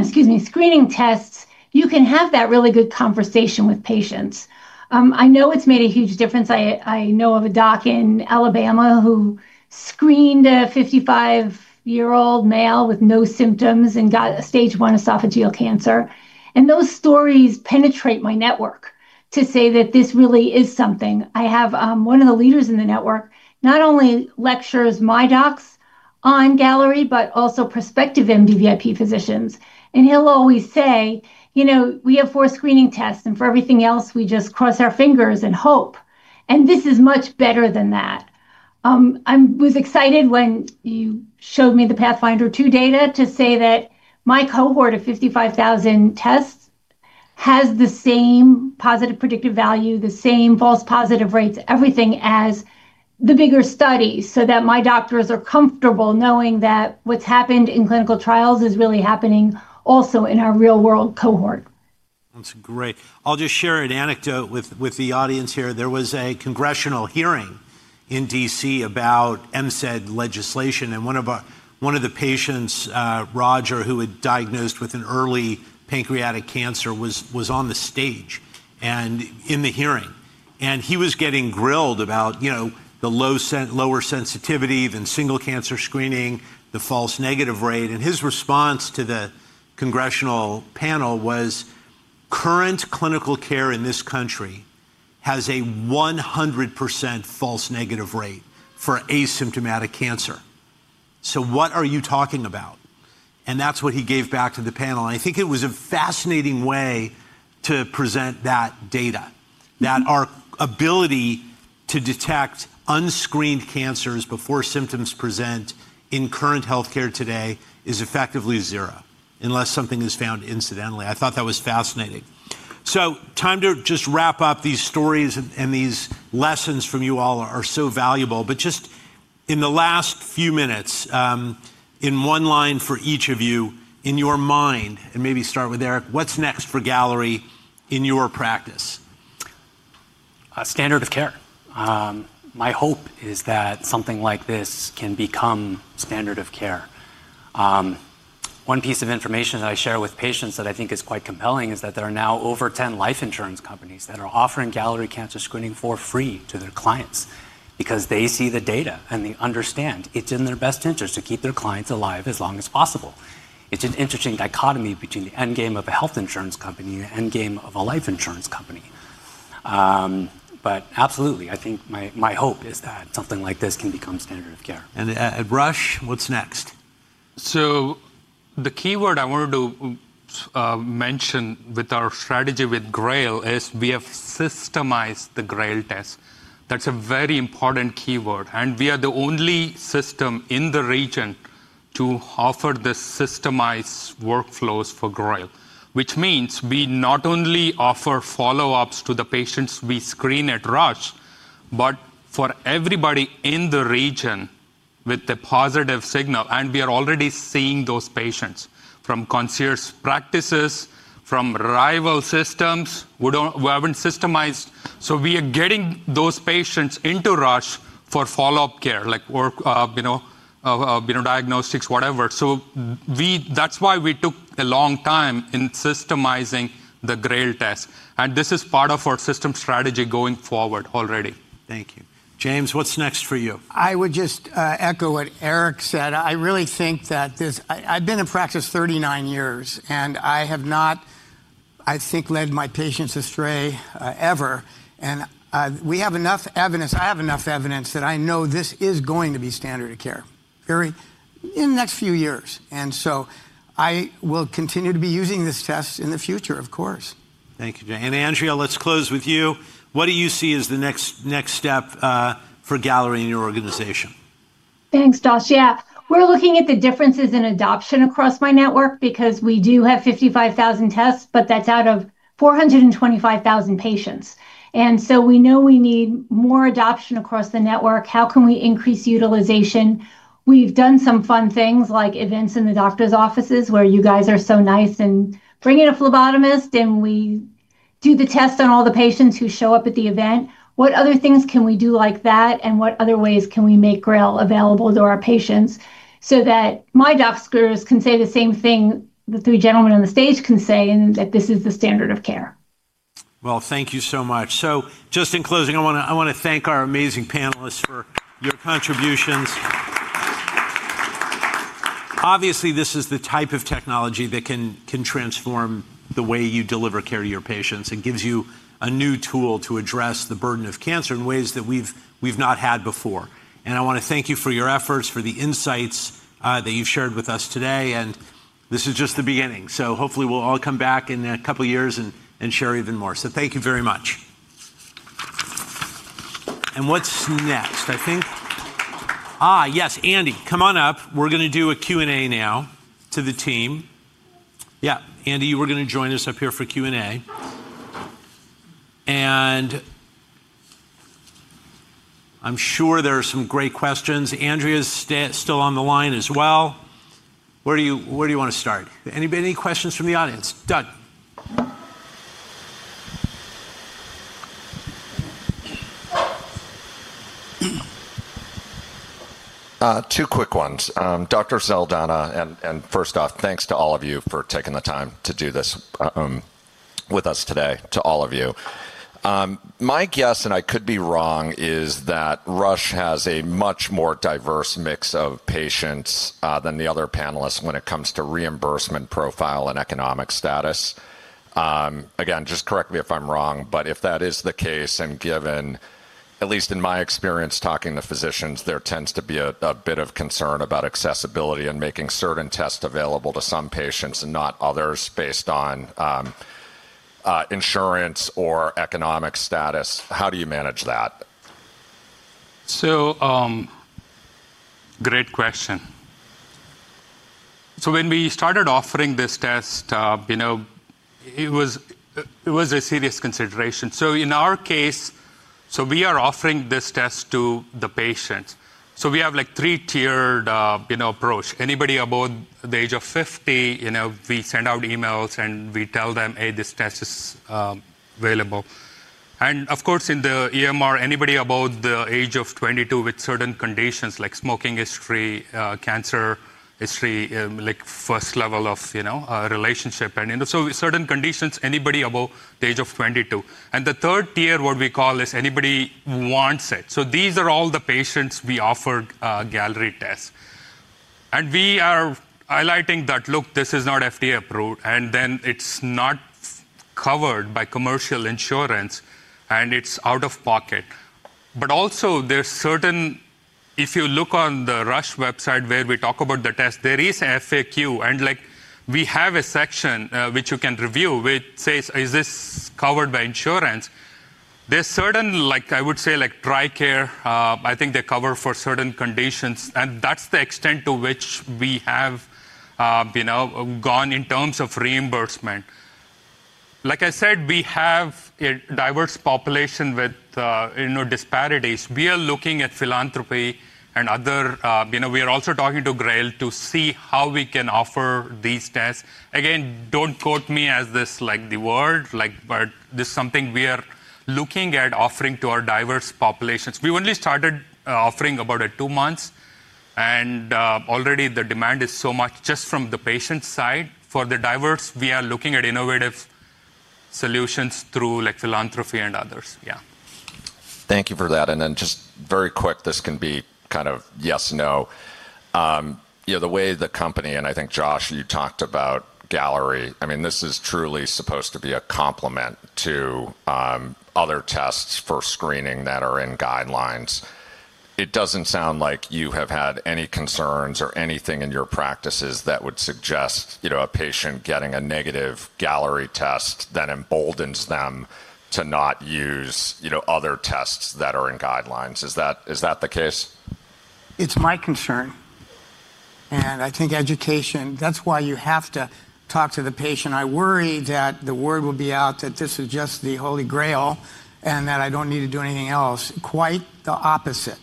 screening tests, you can have that really good conversation with patients. I know it's made a huge difference. I know of a doc in Alabama who screened a 55-year-old male with no symptoms and got stage one esophageal cancer. Those stories penetrate my network to say that this really is something. I have one of the leaders in the network not only lectures my docs on Galleri, but also prospective MDVIP physicians. He'll always say, "We have four screening tests, and for everything else, we just cross our fingers and hope." This is much better than that. I was excited when you showed me the PATHFINDER II data to say that my cohort of 55,000 tests has the same positive predictive value, the same false positive rates, everything as the bigger study so that my doctors are comfortable knowing that what's happened in clinical trials is really happening also in our real-world cohort. That's great. I'll just share an anecdote with the audience here. There was a congressional hearing in D.C. about MCED legislation. One of the patients, Roger, who had diagnosed with an early pancreatic cancer, was on the stage in the hearing. He was getting grilled about the lower sensitivity than single cancer screening, the false negative rate. His response to the congressional panel was, "Current clinical care in this country has a 100% false negative rate for asymptomatic cancer. So what are you talking about?" That is what he gave back to the panel. I think it was a fascinating way to present that data, that our ability to detect unscreened cancers before symptoms present in current healthcare today is effectively zero unless something is found incidentally. I thought that was fascinating. Time to just wrap up. These stories and these lessons from you all are so valuable. But just in the last few minutes, in one line for each of you, in your mind, and maybe start with Eric, what's next for Galleri in your practice? Standard of care. My hope is that something like this can become standard of care. One piece of information that I share with patients that I think is quite compelling is that there are now over 10 life insurance companies that are offering Galleri cancer screening for free to their clients because they see the data and they understand it's in their best interest to keep their clients alive as long as possible. It's an interesting dichotomy between the end game of a health insurance company and the end game of a life insurance company. Absolutely, I think my hope is that something like this can become standard of care. Rush, what's next? The keyword I wanted to mention with our strategy with GRAIL is we have systemized the Galleri test. That's a very important keyword. We are the only system in the region to offer the systemized workflows for Galleri, which means we not only offer follow-ups to the patients we screen at Rush, but for everybody in the region with the positive signal. We are already seeing those patients from concierge practices, from rival systems who have not systemized. We are getting those patients into Rush for follow-up care, like diagnostics, whatever. That is why we took a long time in systemizing the Galleri test. This is part of our system strategy going forward already. Thank you. James, what's next for you? I would just echo what Eric said. I really think that this, I've been in practice 39 years, and I have not, I think, led my patients astray ever. We have enough evidence, I have enough evidence, that I know this is going to be standard of care in the next few years. I will continue to be using this test in the future, of course. Thank you, James. Andrea, let's close with you. What do you see as the next step for Galleri in your organization? Thanks, Joshua. Yeah. We're looking at the differences in adoption across my network because we do have 55,000 tests, but that's out of 425,000 patients. We know we need more adoption across the network. How can we increase utilization? We've done some fun things like events in the doctor's offices where you guys are so nice and bring in a phlebotomist, and we do the test on all the patients who show up at the event. What other things can we do like that? What other ways can we make GRAIL available to our patients so that my doctors can say the same thing that the gentlemen on the stage can say, that this is the standard of care? Thank you so much. Just in closing, I want to thank our amazing panelists for your contributions. Obviously, this is the type of technology that can transform the way you deliver care to your patients. It gives you a new tool to address the burden of cancer in ways that we've not had before. I want to thank you for your efforts, for the insights that you've shared with us today. This is just the beginning. Hopefully, we'll all come back in a couple of years and share even more. Thank you very much. What's next? Yes, Andy, come on up. We're going to do a Q&A now to the team. Yeah, Andy, you were going to join us up here for Q&A. I'm sure there are some great questions. Andrea's still on the line as well. Where do you want to start? Any questions from the audience? Doug. Two quick ones. Dr. Saldana, and first off, thanks to all of you for taking the time to do this with us today, to all of you. My guess, and I could be wrong, is that Rush has a much more diverse mix of patients than the other panelists when it comes to reimbursement profile and economic status. Again, just correct me if I'm wrong. If that is the case, and given, at least in my experience talking to physicians, there tends to be a bit of concern about accessibility and making certain tests available to some patients and not others based on insurance or economic status. How do you manage that? Great question. When we started offering this test, it was a serious consideration. In our case, we are offering this test to the patients. We have a three-tiered approach. Anybody above the age of 50, we send out emails, and we tell them, "Hey, this test is available." In the EMR, anybody above the age of 22 with certain conditions, like smoking history, cancer history, like first level of relationship, and so certain conditions, anybody above the age of 22. The third tier, what we call, is anybody who wants it. These are all the patients we offer Galleri tests. We are highlighting that, look, this is not FDA approved, and it's not covered by commercial insurance, and it's out of pocket. Also, if you look on the Rush website where we talk about the test, there is FAQ. We have a section which you can review which says, "Is this covered by insurance?" There are certain, I would say, like Tricare, I think they're covered for certain conditions. That is the extent to which we have gone in terms of reimbursement. Like I said, we have a diverse population with disparities. We are looking at philanthropy and other, we are also talking to GRAIL to see how we can offer these tests. Again, do not quote me as this, like the word, but this is something we are looking at offering to our diverse populations. We only started offering about two months ago, and already the demand is so much just from the patient side. For the diverse, we are looking at innovative solutions through philanthropy and others. Yeah. Thank you for that. And then just very quick, this can be kind of yes/no. The way the company and I think, Josh, you talked about Galleri. I mean, this is truly supposed to be a complement to other tests for screening that are in guidelines. It doesn't sound like you have had any concerns or anything in your practices that would suggest a patient getting a negative Galleri test that emboldens them to not use other tests that are in guidelines. Is that the case? It's my concern. I think education, that's why you have to talk to the patient. I worry that the word will be out that this is just the holy grail and that I don't need to do anything else. Quite the opposite.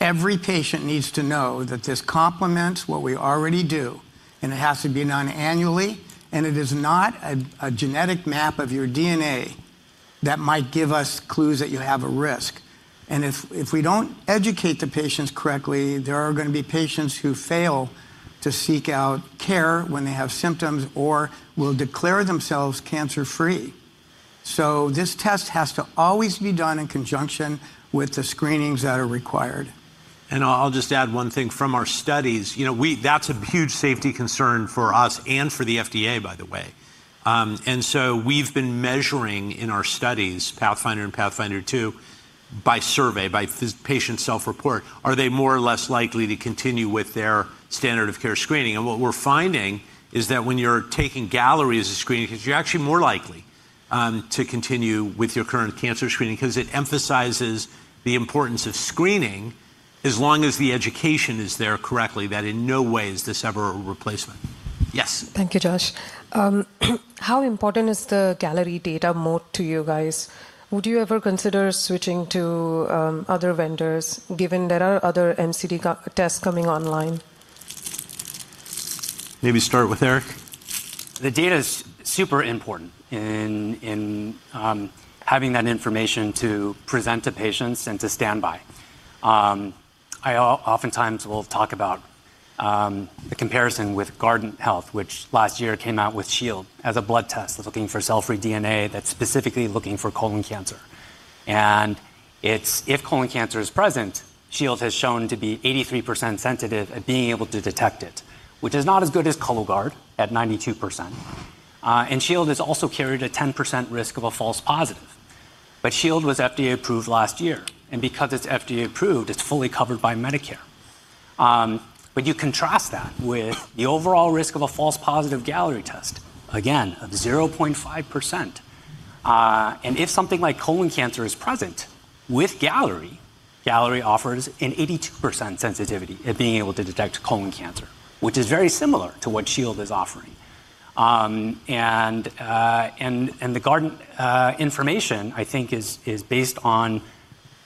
Every patient needs to know that this complements what we already do, and it has to be done annually. It is not a genetic map of your DNA that might give us clues that you have a risk. If we do not educate the patients correctly, there are going to be patients who fail to seek out care when they have symptoms or will declare themselves cancer-free. This test has to always be done in conjunction with the screenings that are required. I will just add one thing from our studies. That is a huge safety concern for us and for the FDA, by the way. We have been measuring in our studies, PATHFINDER and PATHFINDER 2, by survey, by patient self-report, are they more or less likely to continue with their standard of care screening. What we are finding is that when you are taking Galleri as a screening, you are actually more likely to continue with your current cancer screening because it emphasizes the importance of screening as long as the education is there correctly, that in no way is this ever a replacement. Yes. Thank you, Josh. How important is the Galleri data more to you guys? Would you ever consider switching to other vendors given there are other MCED tests coming online? Maybe start with Eric. The data is super important in having that information to present to patients and to stand by. I oftentimes will talk about the comparison with Guardant Health, which last year came out with Shield as a blood test looking for cell-free DNA that's specifically looking for colon cancer. If colon cancer is present, Shield has shown to be 83% sensitive at being able to detect it, which is not as good as Cologuard at 92%. Shield has also carried a 10% risk of a false positive. Shield was FDA-approved last year. Because it's FDA-approved, it's fully covered by Medicare. You contrast that with the overall risk of a false positive Galleri test, again, of 0.5%. If something like colon cancer is present with Galleri, Galleri offers an 82% sensitivity at being able to detect colon cancer, which is very similar to what Shield is offering. The Guardant information, I think, is based on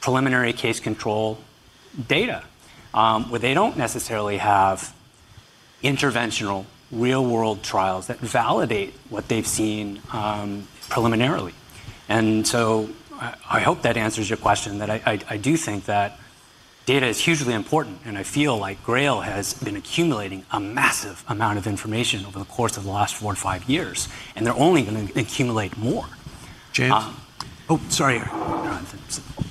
preliminary case-control data where they do not necessarily have interventional real-world trials that validate what they have seen preliminarily. I hope that answers your question that I do think that data is hugely important. I feel like GRAIL has been accumulating a massive amount of information over the course of the last four to five years. They are only going to accumulate more. James? Oh, sorry, Eric. Oh, go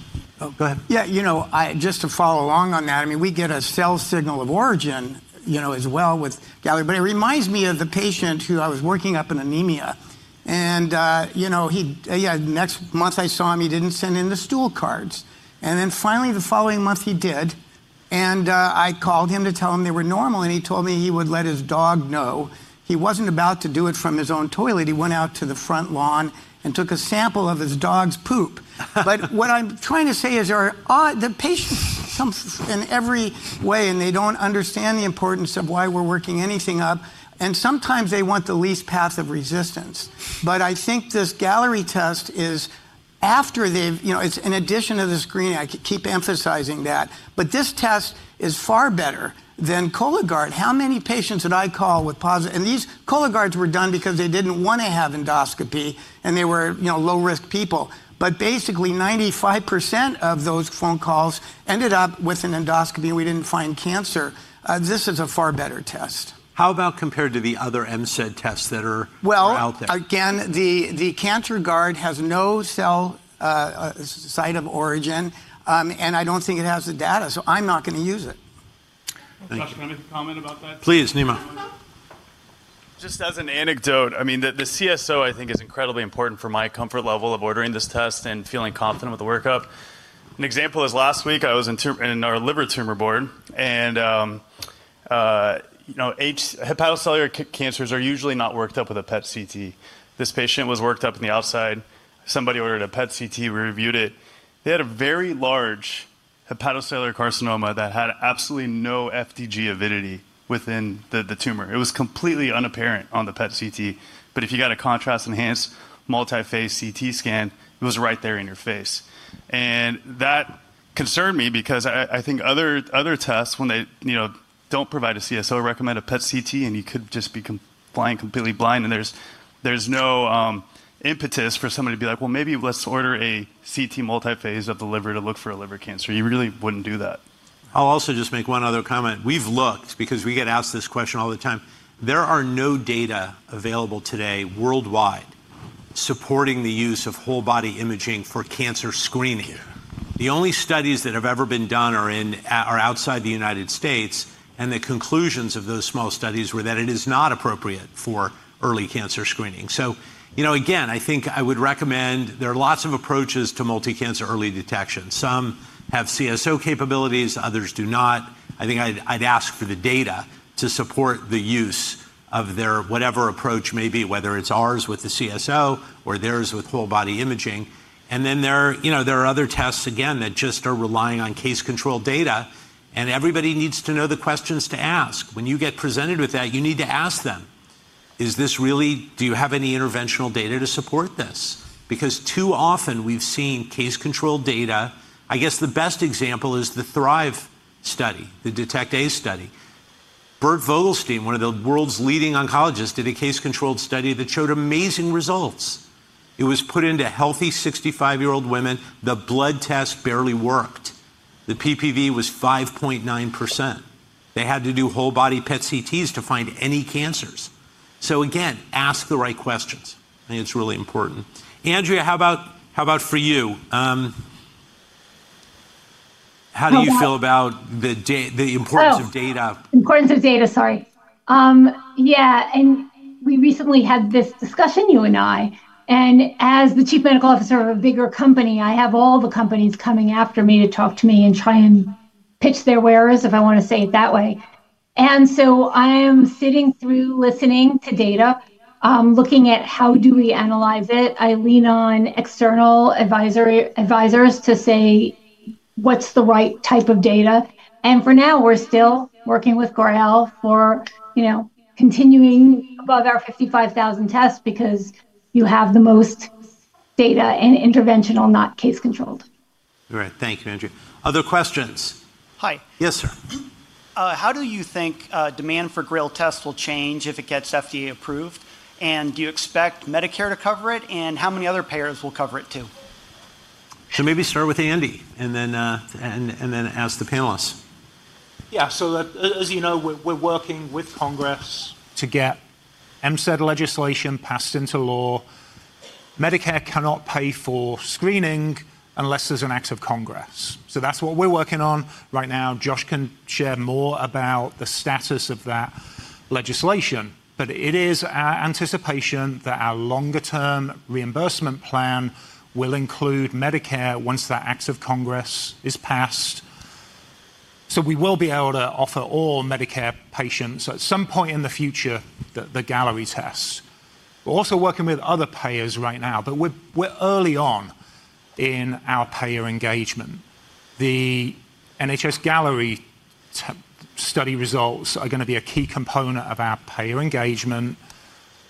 ahead. Yeah, just to follow along on that, I mean, we get a cancer signal origin as well with Galleri. It reminds me of the patient who I was working up an anemia. The next month I saw him, he didn't send in the stool cards. Finally, the following month, he did. I called him to tell him they were normal. He told me he would let his dog know. He wasn't about to do it from his own toilet. He went out to the front lawn and took a sample of his dog's poop. What I'm trying to say is the patients come in every way, and they don't understand the importance of why we're working anything up. Sometimes they want the least path of resistance. I think this Galleri test is after they've, it's an addition of the screening. I keep emphasizing that. This test is far better than Cologuard. How many patients did I call with positive? These Cologuards were done because they did not want to have endoscopy, and they were low-risk people. Basically, 95% of those phone calls ended up with an endoscopy, and we did not find cancer. This is a far better test. How about compared to the other MCED tests that are out there? Again, the CancerGuard has no cell site of origin. I do not think it has the data. I am not going to use it. Josh, do you want to comment about that? Please, Nima. Just as an anecdote, I mean, the CSO, I think, is incredibly important for my comfort level of ordering this test and feeling confident with the workup. An example is last week, I was in our liver tumor board. Hepatocellular cancers are usually not worked up with a PET CT. This patient was worked up on the outside. Somebody ordered a PET CT. We reviewed it. They had a very large hepatocellular carcinoma that had absolutely no FDG avidity within the tumor. It was completely unapparent on the PET CT. If you got a contrast-enhanced multiphase CT scan, it was right there in your face. That concerned me because I think other tests, when they do not provide a CSO, recommend a PET CT, and you could just be flying completely blind. There is no impetus for somebody to be like, "Maybe let's order a CT multiphase of the liver to look for a liver cancer." You really would not do that. I will also just make one other comment. We have looked because we get asked this question all the time. There are no data available today worldwide supporting the use of whole-body imaging for cancer screening. The only studies that have ever been done are outside the U.S. The conclusions of those small studies were that it is not appropriate for early cancer screening. Again, I think I would recommend there are lots of approaches to multicancer early detection. Some have CSO capabilities. Others do not. I think I'd ask for the data to support the use of their whatever approach may be, whether it's ours with the CSO or theirs with whole-body imaging. There are other tests, again, that just are relying on case control data. Everybody needs to know the questions to ask. When you get presented with that, you need to ask them, "Is this really do you have any interventional data to support this?" Too often, we've seen case-controlled data. I guess the best example is the Thrive study, the DETECT-A study. Bert Vogelstein, one of the world's leading oncologists, did a case-controlled study that showed amazing results. It was put into healthy 65-year-old women. The blood test barely worked. The PPV was 5.9%. They had to do whole-body PET CTs to find any cancers. Again, ask the right questions. I think it's really important. Andrea, how about for you? How do you feel about the importance of data? Importance of data, sorry. Yeah. We recently had this discussion, you and I. As the Chief Medical Officer of a bigger company, I have all the companies coming after me to talk to me and try and pitch their wares, if I want to say it that way. I am sitting through listening to data, looking at how do we analyze it. I lean on external advisors to say, "What's the right type of data?" For now, we're still working with GRAIL for continuing above our 55,000 tests because you have the most data and interventional, not case-controlled. All right. Thank you, Andrea. Other questions? Hi. Yes, sir. How do you think demand for GRAIL tests will change if it gets FDA approved? Do you expect Medicare to cover it? How many other payers will cover it too? Maybe start with Andy and then ask the panelists. Yeah. As you know, we're working with Congress to get MCID legislation passed into law. Medicare cannot pay for screening unless there's an act of Congress. That's what we're working on right now. Josh can share more about the status of that legislation. It is our anticipation that our longer-term reimbursement plan will include Medicare once that act of Congress is passed. We will be able to offer all Medicare patients at some point in the future the Galleri test. We're also working with other payers right now. We're early on in our payer engagement. The NHS-Galleri study results are going to be a key component of our payer engagement.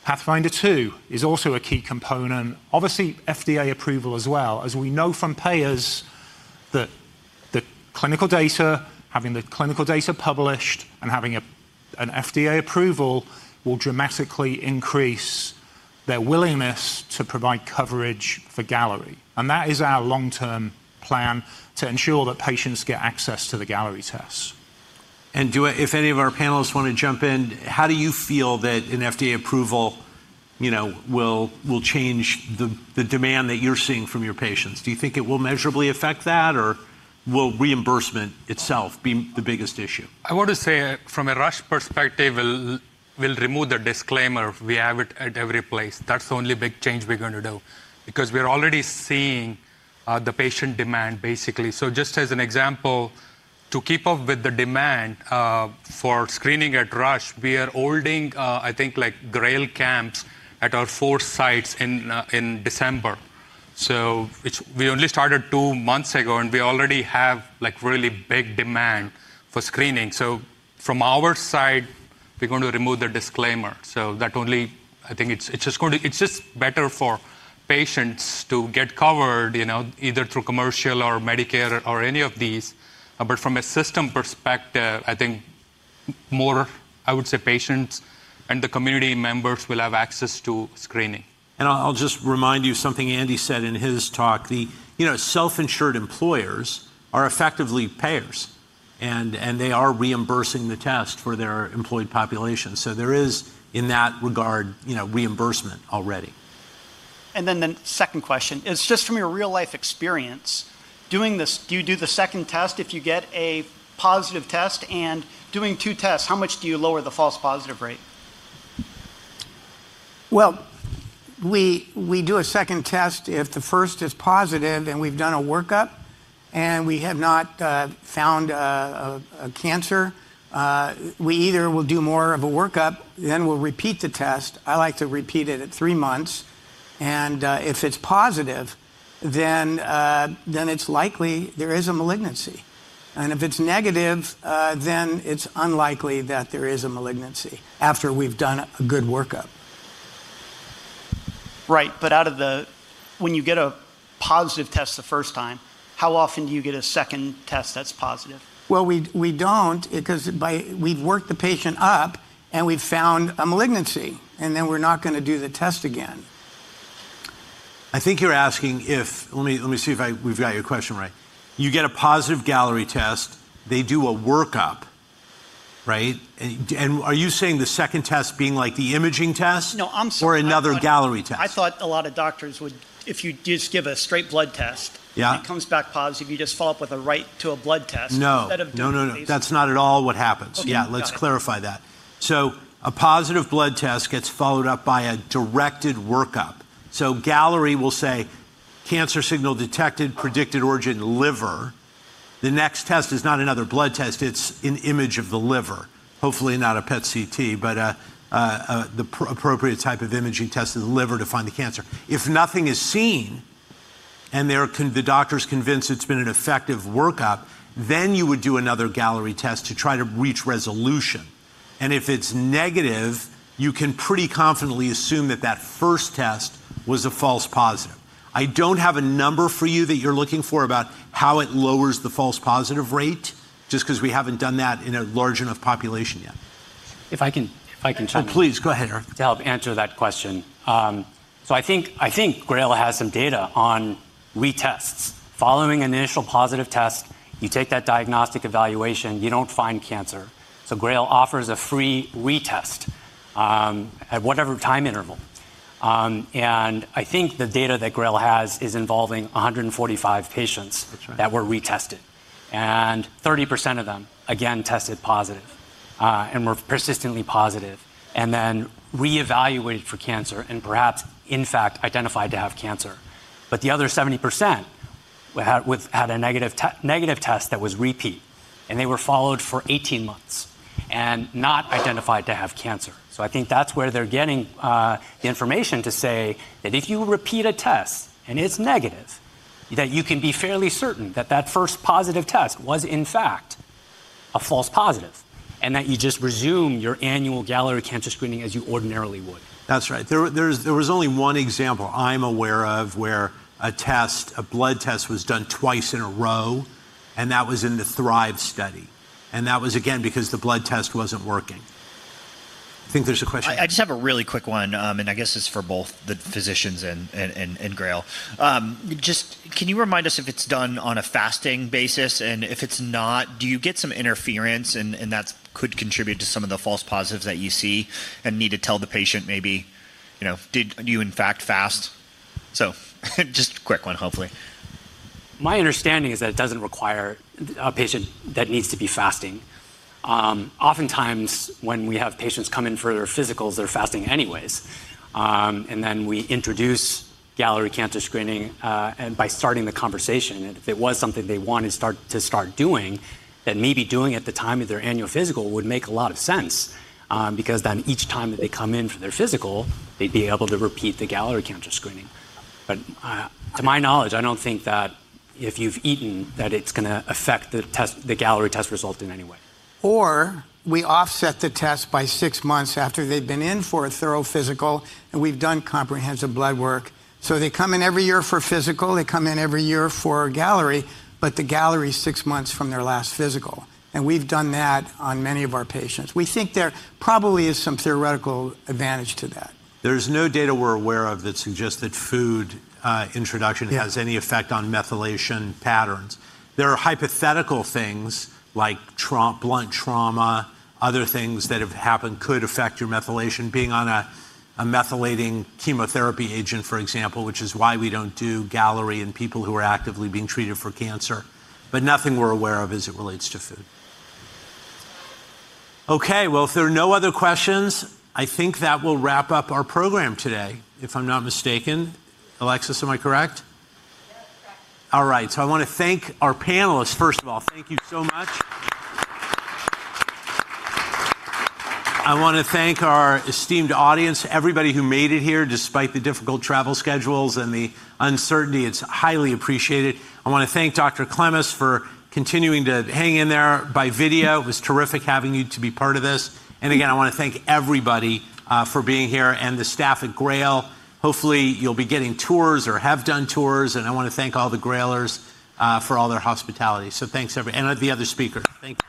PATHFINDER II is also a key component. Obviously, FDA approval as well. As we know from payers, the clinical data, having the clinical data published and having an FDA approval will dramatically increase their willingness to provide coverage for Galleri. That is our long-term plan to ensure that patients get access to the Galleri tests. If any of our panelists want to jump in, how do you feel that an FDA approval will change the demand that you're seeing from your patients? Do you think it will measurably affect that, or will reimbursement itself be the biggest issue? I want to say from a Rush perspective, we'll remove the disclaimer. We have it at every place. That's the only big change we're going to do because we're already seeing the patient demand, basically. Just as an example, to keep up with the demand for screening at Rush, we are holding, I think, GRAIL camps at our four sites in December. We only started two months ago, and we already have really big demand for screening. From our side, we're going to remove the disclaimer. I think it's just better for patients to get covered either through commercial or Medicare or any of these. From a system perspective, I think more, I would say, patients and the community members will have access to screening. I'll just remind you something Andy said in his talk. Self-insured employers are effectively payers. They are reimbursing the test for their employed population. There is, in that regard, reimbursement already. The second question is just from your real-life experience. Do you do the second test if you get a positive test? Doing two tests, how much do you lower the false positive rate? We do a second test if the first is positive and we've done a workup and we have not found a cancer. We either will do more of a workup, then we'll repeat the test. I like to repeat it at three months. And if it's positive, then it's likely there is a malignancy. If it's negative, then it's unlikely that there is a malignancy after we've done a good workup. Right. When you get a positive test the first time, how often do you get a second test that's positive? We don't because we've worked the patient up, and we've found a malignancy. Then we're not going to do the test again. I think you're asking if, let me see if we've got your question right. You get a positive Galleri test. They do a workup, right? Are you saying the second test being like the imaging test? No, I'm sorry. Or another Galleri test? I thought a lot of doctors would if you just give a straight blood test and it comes back positive, you just follow up with a right to a blood test. No. No, no, no. That's not at all what happens. Yeah, let's clarify that. So a positive blood test gets followed up by a directed workup. So Galleri will say cancer signal detected, predicted origin liver. The next test is not another blood test. It's an image of the liver, hopefully not a PET CT, but the appropriate type of imaging test of the liver to find the cancer. If nothing is seen and the doctor's convinced it's been an effective workup, then you would do another Galleri test to try to reach resolution. And if it's negative, you can pretty confidently assume that that first test was a false positive. I don't have a number for you that you're looking for about how it lowers the false positive rate just because we haven't done that in a large enough population yet. If I can chime in. Oh, please, go ahead, Eric. To help answer that question. I think GRAIL has some data on retests. Following an initial positive test, you take that diagnostic evaluation. You don't find cancer. GRAIL offers a free retest at whatever time interval. I think the data that GRAIL has is involving 145 patients that were retested. 30% of them, again, tested positive and were persistently positive and then reevaluated for cancer and perhaps, in fact, identified to have cancer. The other 70% had a negative test that was repeat. They were followed for 18 months and not identified to have cancer. I think that's where they're getting the information to say that if you repeat a test and it's negative, you can be fairly certain that that first positive test was, in fact, a false positive and that you just resume your annual Galleri cancer screening as you ordinarily would. That's right. There was only one example I'm aware of where a blood test was done twice in a row. That was in the Thrive study, and that was, again, because the blood test wasn't working. I think there's a question. I just have a really quick one, and I guess it's for both the physicians and GRAIL. Just can you remind us if it's done on a fasting basis? And if it's not, do you get some interference? That could contribute to some of the false positives that you see and need to tell the patient maybe, "Did you, in fact, fast?" Just a quick one, hopefully. My understanding is that it does not require a patient that needs to be fasting. Oftentimes, when we have patients come in for their physicals, they are fasting anyways. We introduce Galleri cancer screening by starting the conversation. If it was something they wanted to start doing, then maybe doing it at the time of their annual physical would make a lot of sense because each time that they come in for their physical, they would be able to repeat the Galleri cancer screening. To my knowledge, I do not think that if you have eaten, that it is going to affect the Galleri test result in any way. We offset the test by six months after they've been in for a thorough physical. We've done comprehensive blood work. They come in every year for physical. They come in every year for Galleri. The Galleri is six months from their last physical. We've done that on many of our patients. We think there probably is some theoretical advantage to that. There's no data we're aware of that suggests that food introduction has any effect on methylation patterns. There are hypothetical things like blunt trauma, other things that have happened could affect your methylation, being on a methylating chemotherapy agent, for example, which is why we don't do Galleri in people who are actively being treated for cancer. Nothing we're aware of as it relates to food. Okay. If there are no other questions, I think that will wrap up our program today, if I'm not mistaken. Alexis, am I correct? Yes, correct. All right. I want to thank our panelists. First of all, thank you so much. I want to thank our esteemed audience, everybody who made it here despite the difficult travel schedules and the uncertainty. It's highly appreciated. I want to thank Dr. Klemes for continuing to hang in there by video. It was terrific having you to be part of this. Again, I want to thank everybody for being here and the staff at GRAIL. Hopefully, you'll be getting tours or have done tours. I want to thank all the GRAILers for all their hospitality. Thanks, everyone. And the other speakers. Thank you.